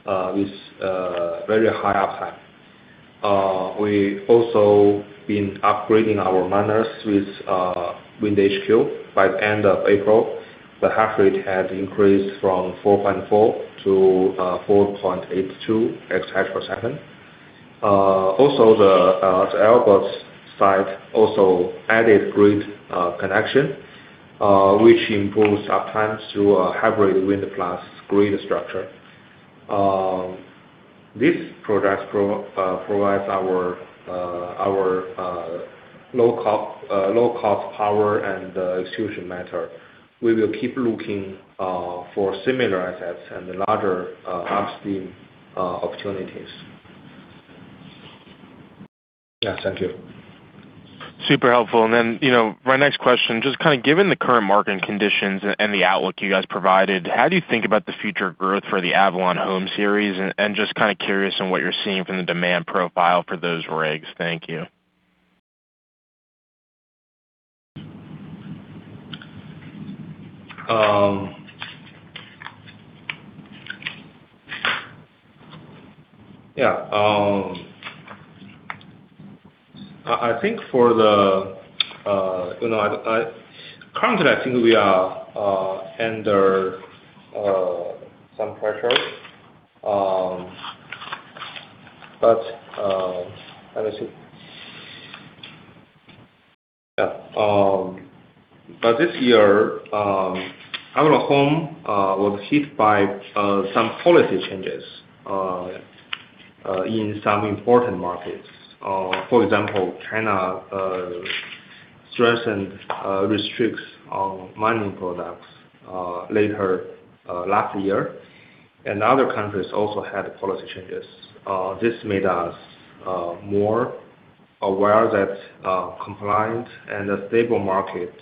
with very high uptime. We also been upgrading our miners with WindHQ. By the end of April, the hash rate had increased from 4.4 to 4.82 exahash per second. The Alborz site also added grid connection which improves uptimes through a hybrid wind plus grid structure. This project provides our low-cost power and distribution matter. We will keep looking for similar assets and larger upstream opportunities. Yeah, thank you. Super helpful. You know, my next question, just kind of given the current market conditions and the outlook you guys provided, how do you think about the future growth for the Avalon Home series? Just kind of curious on what you're seeing from the demand profile for those rigs. Thank you. Yeah. I think for the, you know, Currently I think we are under some pressure. Let me see. Yeah. This year, Avalon Home was hit by some policy changes in some important markets. For example, China strengthened restricts on mining products later last year, other countries also had policy changes. This made us more aware that compliance and a stable market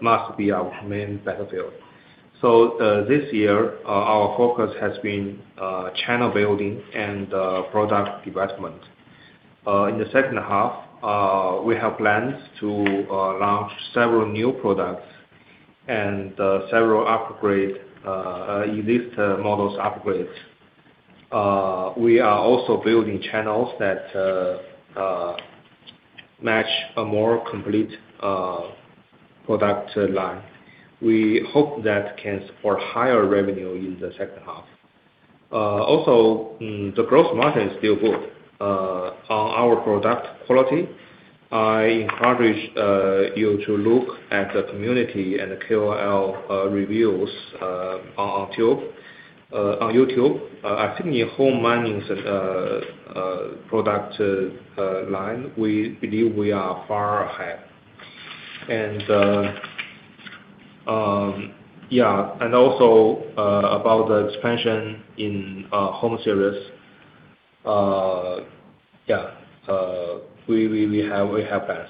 must be our main battlefield. This year, our focus has been channel building and product development. In the second half, we have plans to launch several new products and several existing models upgrades. We are also building channels that match a more complete product line. We hope that can support higher revenue in the second half. The growth market is still good on our product quality. I encourage you to look at the community and the QOL reviews on YouTube. I think in Avalon Home series product line, we believe we are far ahead. Also, about the expansion in Avalon Home series. We have plans.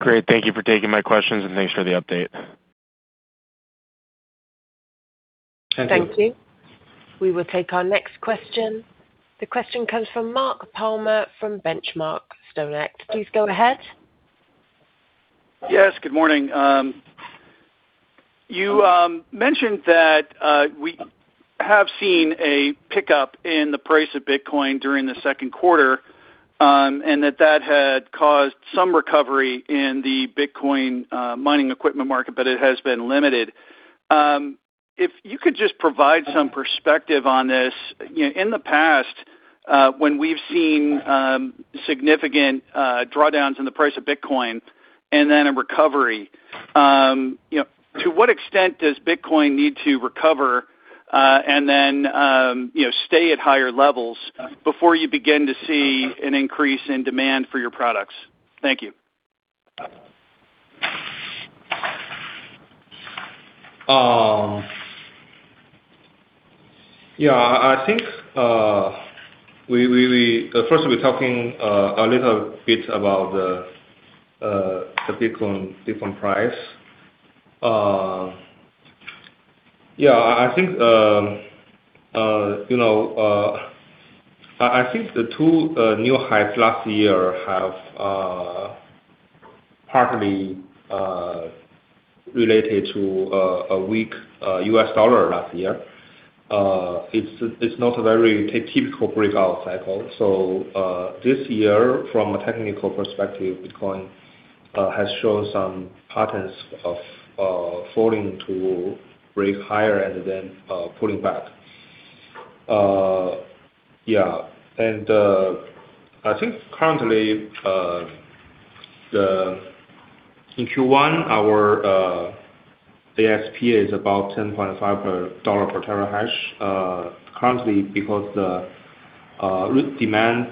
Great. Thank you for taking my questions, and thanks for the update. Thank you. We will take our next question. The question comes from Mark Palmer from The Benchmark Company. Please go ahead. Yes, good morning. You mentioned that we have seen a pickup in the price of Bitcoin during the second quarter, and that that had caused some recovery in the Bitcoin mining equipment market, but it has been limited. If you could just provide some perspective on this. You know, in the past, when we've seen significant drawdowns in the price of Bitcoin and then a recovery, you know, to what extent does Bitcoin need to recover, and then, you know, stay at higher levels before you begin to see an increase in demand for your products? Thank you. I think, first we're talking a little bit about the Bitcoin price. You know, I think the two new highs last year have partly related to a weak U.S. dollar last year. It's not a very typical breakout cycle. This year, from a technical perspective, Bitcoin has shown some patterns of falling to break higher and then pulling back. I think currently, the In Q1, our ASP is about $10.5 per dollar per terahash. Currently because the demand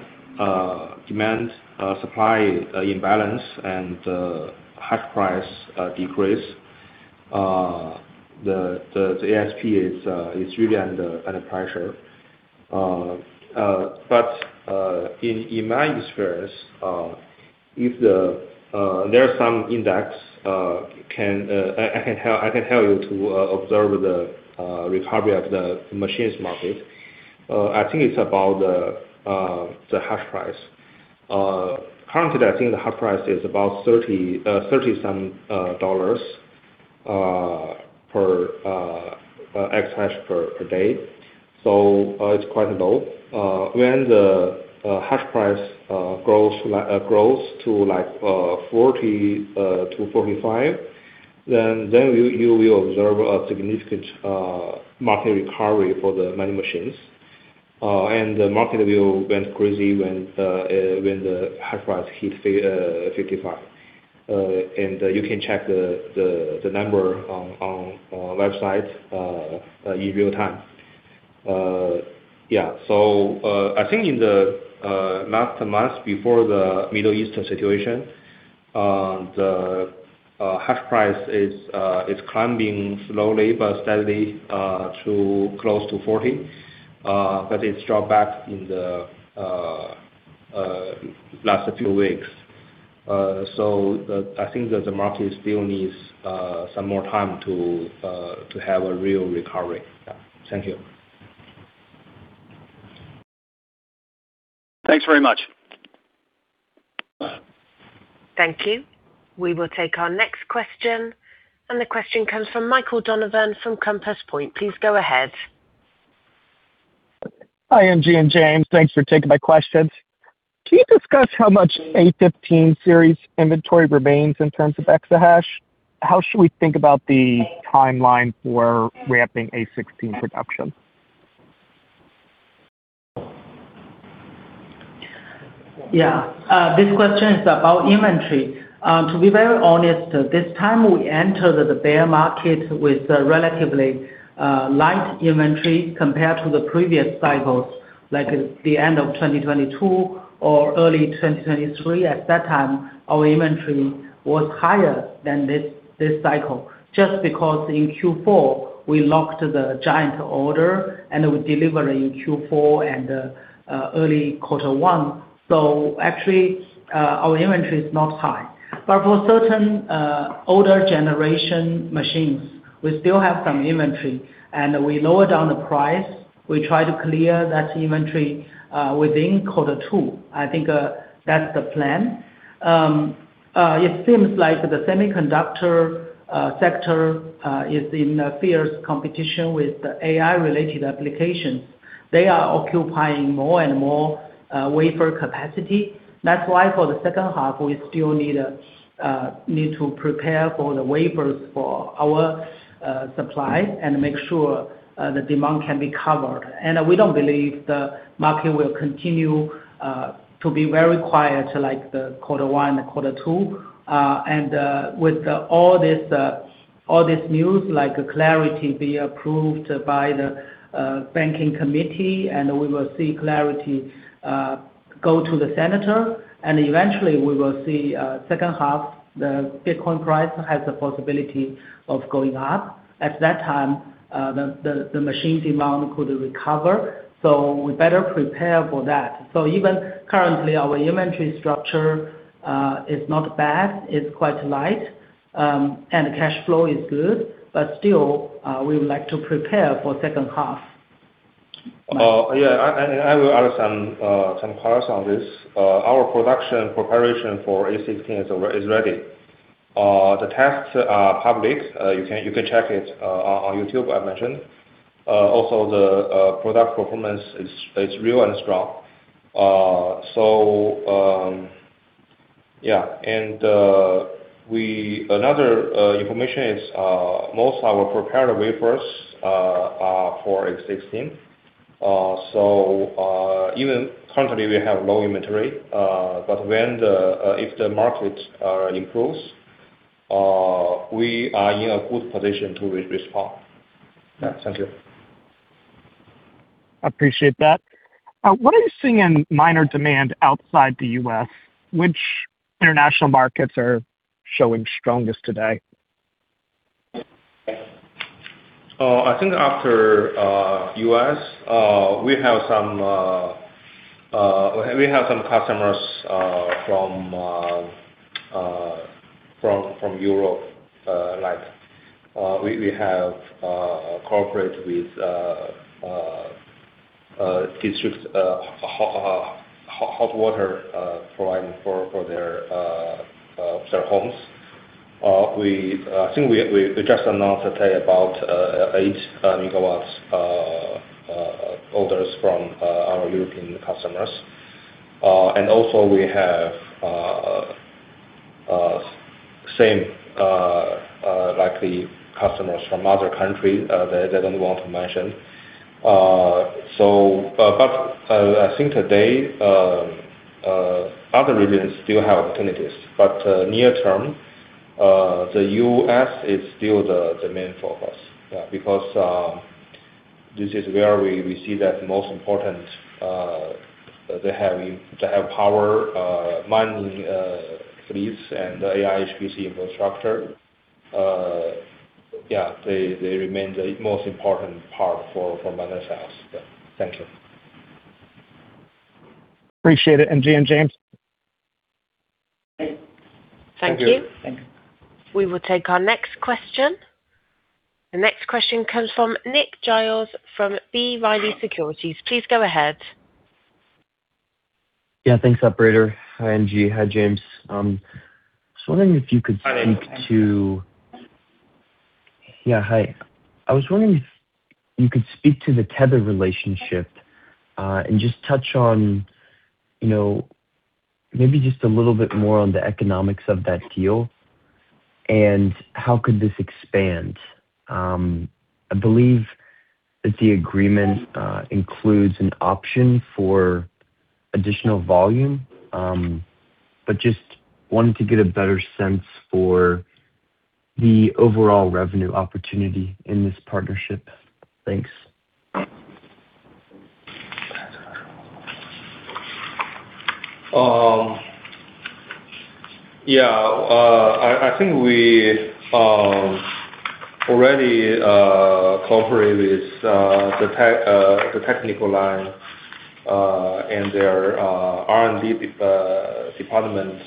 supply imbalance and the hash price decrease, the ASP is really under pressure. In my experience, there are some index I can tell you to observe the recovery of the machines market. I think it's about the hash price. Currently, I think the hash price is about $30 some per exahash per day. It's quite low. When the hash price grows to like $40-$45, then you will observe a significant market recovery for the mining machines. The market will went crazy when the hash price hit $55. You can check the number on website in real time. Yeah. I think in the last month before the Middle Eastern situation, the hash price is climbing slowly but steadily, to close to $40. It's dropped back in the last few weeks. The, I think that the market still needs some more time to have a real recovery. Yeah. Thank you. Thanks very much. Thank you. We will take our next question. The question comes from Michael Donovan from Compass Point. Please go ahead. Hi, NG and James. Thanks for taking my questions. Can you discuss how much Avalon A15 series inventory remains in terms of exahash? How should we think about the timeline for ramping Avalon A16 production? Yeah. This question is about inventory. To be very honest, this time we entered the bear market with a relatively light inventory compared to the previous cycles, like at the end of 2022 or early 2023. At that time, our inventory was higher than this cycle. Because in Q4, we locked the giant order, and we deliver in Q4 and early quarter one. Actually, our inventory is not high. For certain older generation machines, we still have some inventory, and we lower down the price. We try to clear that inventory within quarter two. I think that's the plan. It seems like the semiconductor sector is in a fierce competition with the AI-related applications. They are occupying more and more wafer capacity. That's why for the second half, we still need to prepare for the wafers for our supply and make sure the demand can be covered. We don't believe the market will continue to be very quiet like the quarter one and quarter two. With all this news, like CLARITY Act be approved by the banking committee, and we will see CLARITY Act. Go to the senator, and eventually we will see, second half the Bitcoin price has the possibility of going up. At that time, the machine demand could recover, so we better prepare for that. Even currently, our inventory structure is not bad, it's quite light, and cash flow is good, still we would like to prepare for second half. Yeah. I will add some parts on this. Our production preparation for A16 is ready. The tests are public, you can check it on YouTube, I mentioned. Also the product performance is real and strong. Yeah. Another information is most prepared wafers are for A16. Even currently we have low inventory, but when the market improves, we are in a good position to re-respond. Yeah. Thank you. Appreciate that. What are you seeing miner demand outside the U.S.? Which international markets are showing strongest today? I think after U.S., we have some customers from Europe. Like, we have cooperated with district hot water providing for their homes. I think we just announced today about 8 MW orders from our European customers. Also we have same like the customers from other country, they don't want to mention. I think today other regions still have alternatives. Near term, the U.S. is still the main focus. This is where we see that most important, they have power mining fleets and AI HPC infrastructure. Yeah, they remain the most important part for miner sales. Yeah. Thank you. Appreciate it, NG and James. Thank you. Thank you. Thank you. Thank you. We will take our next question. The next question comes from Nick Giles from B. Riley Securities. Please go ahead. Thanks, operator. Hi, NG. Hi, James. Just wondering if you could speak to. Hi, Nick. Yeah. Hi. I was wondering if you could speak to the Tether relationship and just touch on, you know, maybe just a little bit more on the economics of that deal and how could this expand? I believe that the agreement includes an option for additional volume, just wanted to get a better sense for the overall revenue opportunity in this partnership. Thanks. Yeah. I think we already cooperate with the tech, the technical line, and their R&D department,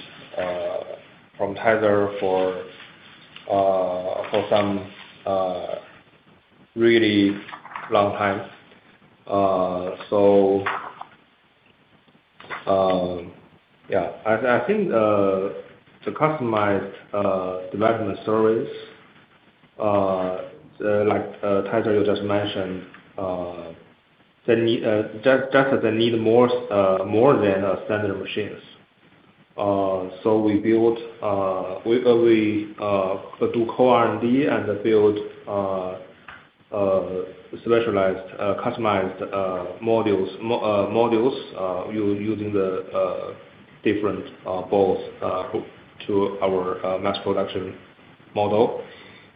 from Tether for some really long times. Yeah. I think to customize development service, like Tether you just mentioned, they need that they need more than standard machines. We built, we do co R&D and build specialized, customized modules, using the different boards, to our mass production model.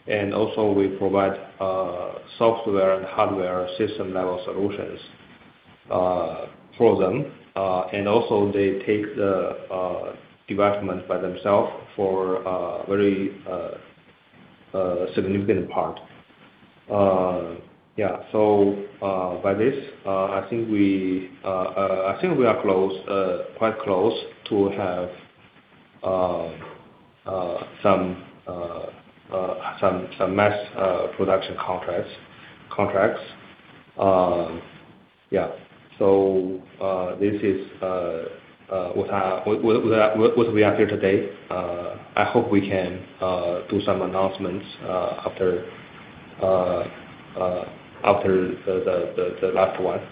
Also we provide software and hardware system-level solutions for them. Also they take the development by themselves for very significant part. Yeah. By this, I think we are close, quite close to have some mass production contracts. This is what we are here today. I hope we can do some announcements after the last one.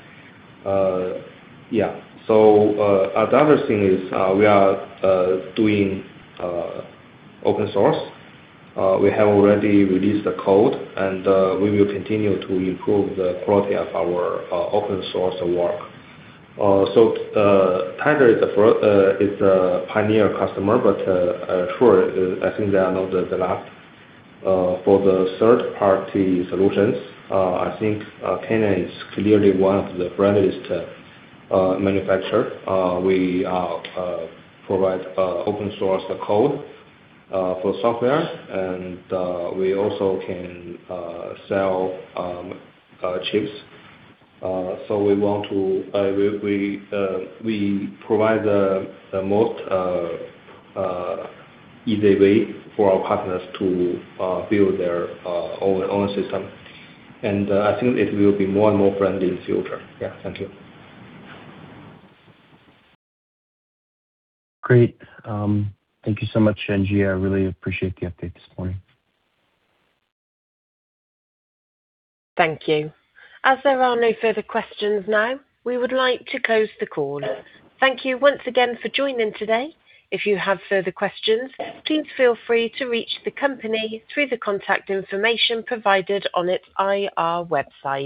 The other thing is we are doing open source. We have already released the code and we will continue to improve the quality of our open source work. Tether is the pioneer customer, but sure, I think they are not the last. For the third-party solutions, I think Canaan is clearly one of the friendliest manufacturer. We provide open source code for software and we also can sell chips. We provide the most easy way for our partners to build their own system. I think it will be more and more friendly in the future. Yeah. Thank you. Great. Thank you so much, NG. I really appreciate the update this morning. Thank you. As there are no further questions now, we would like to close the call. Thank you once again for joining today. If you have further questions, please feel free to reach the company through the contact information provided on its IR website.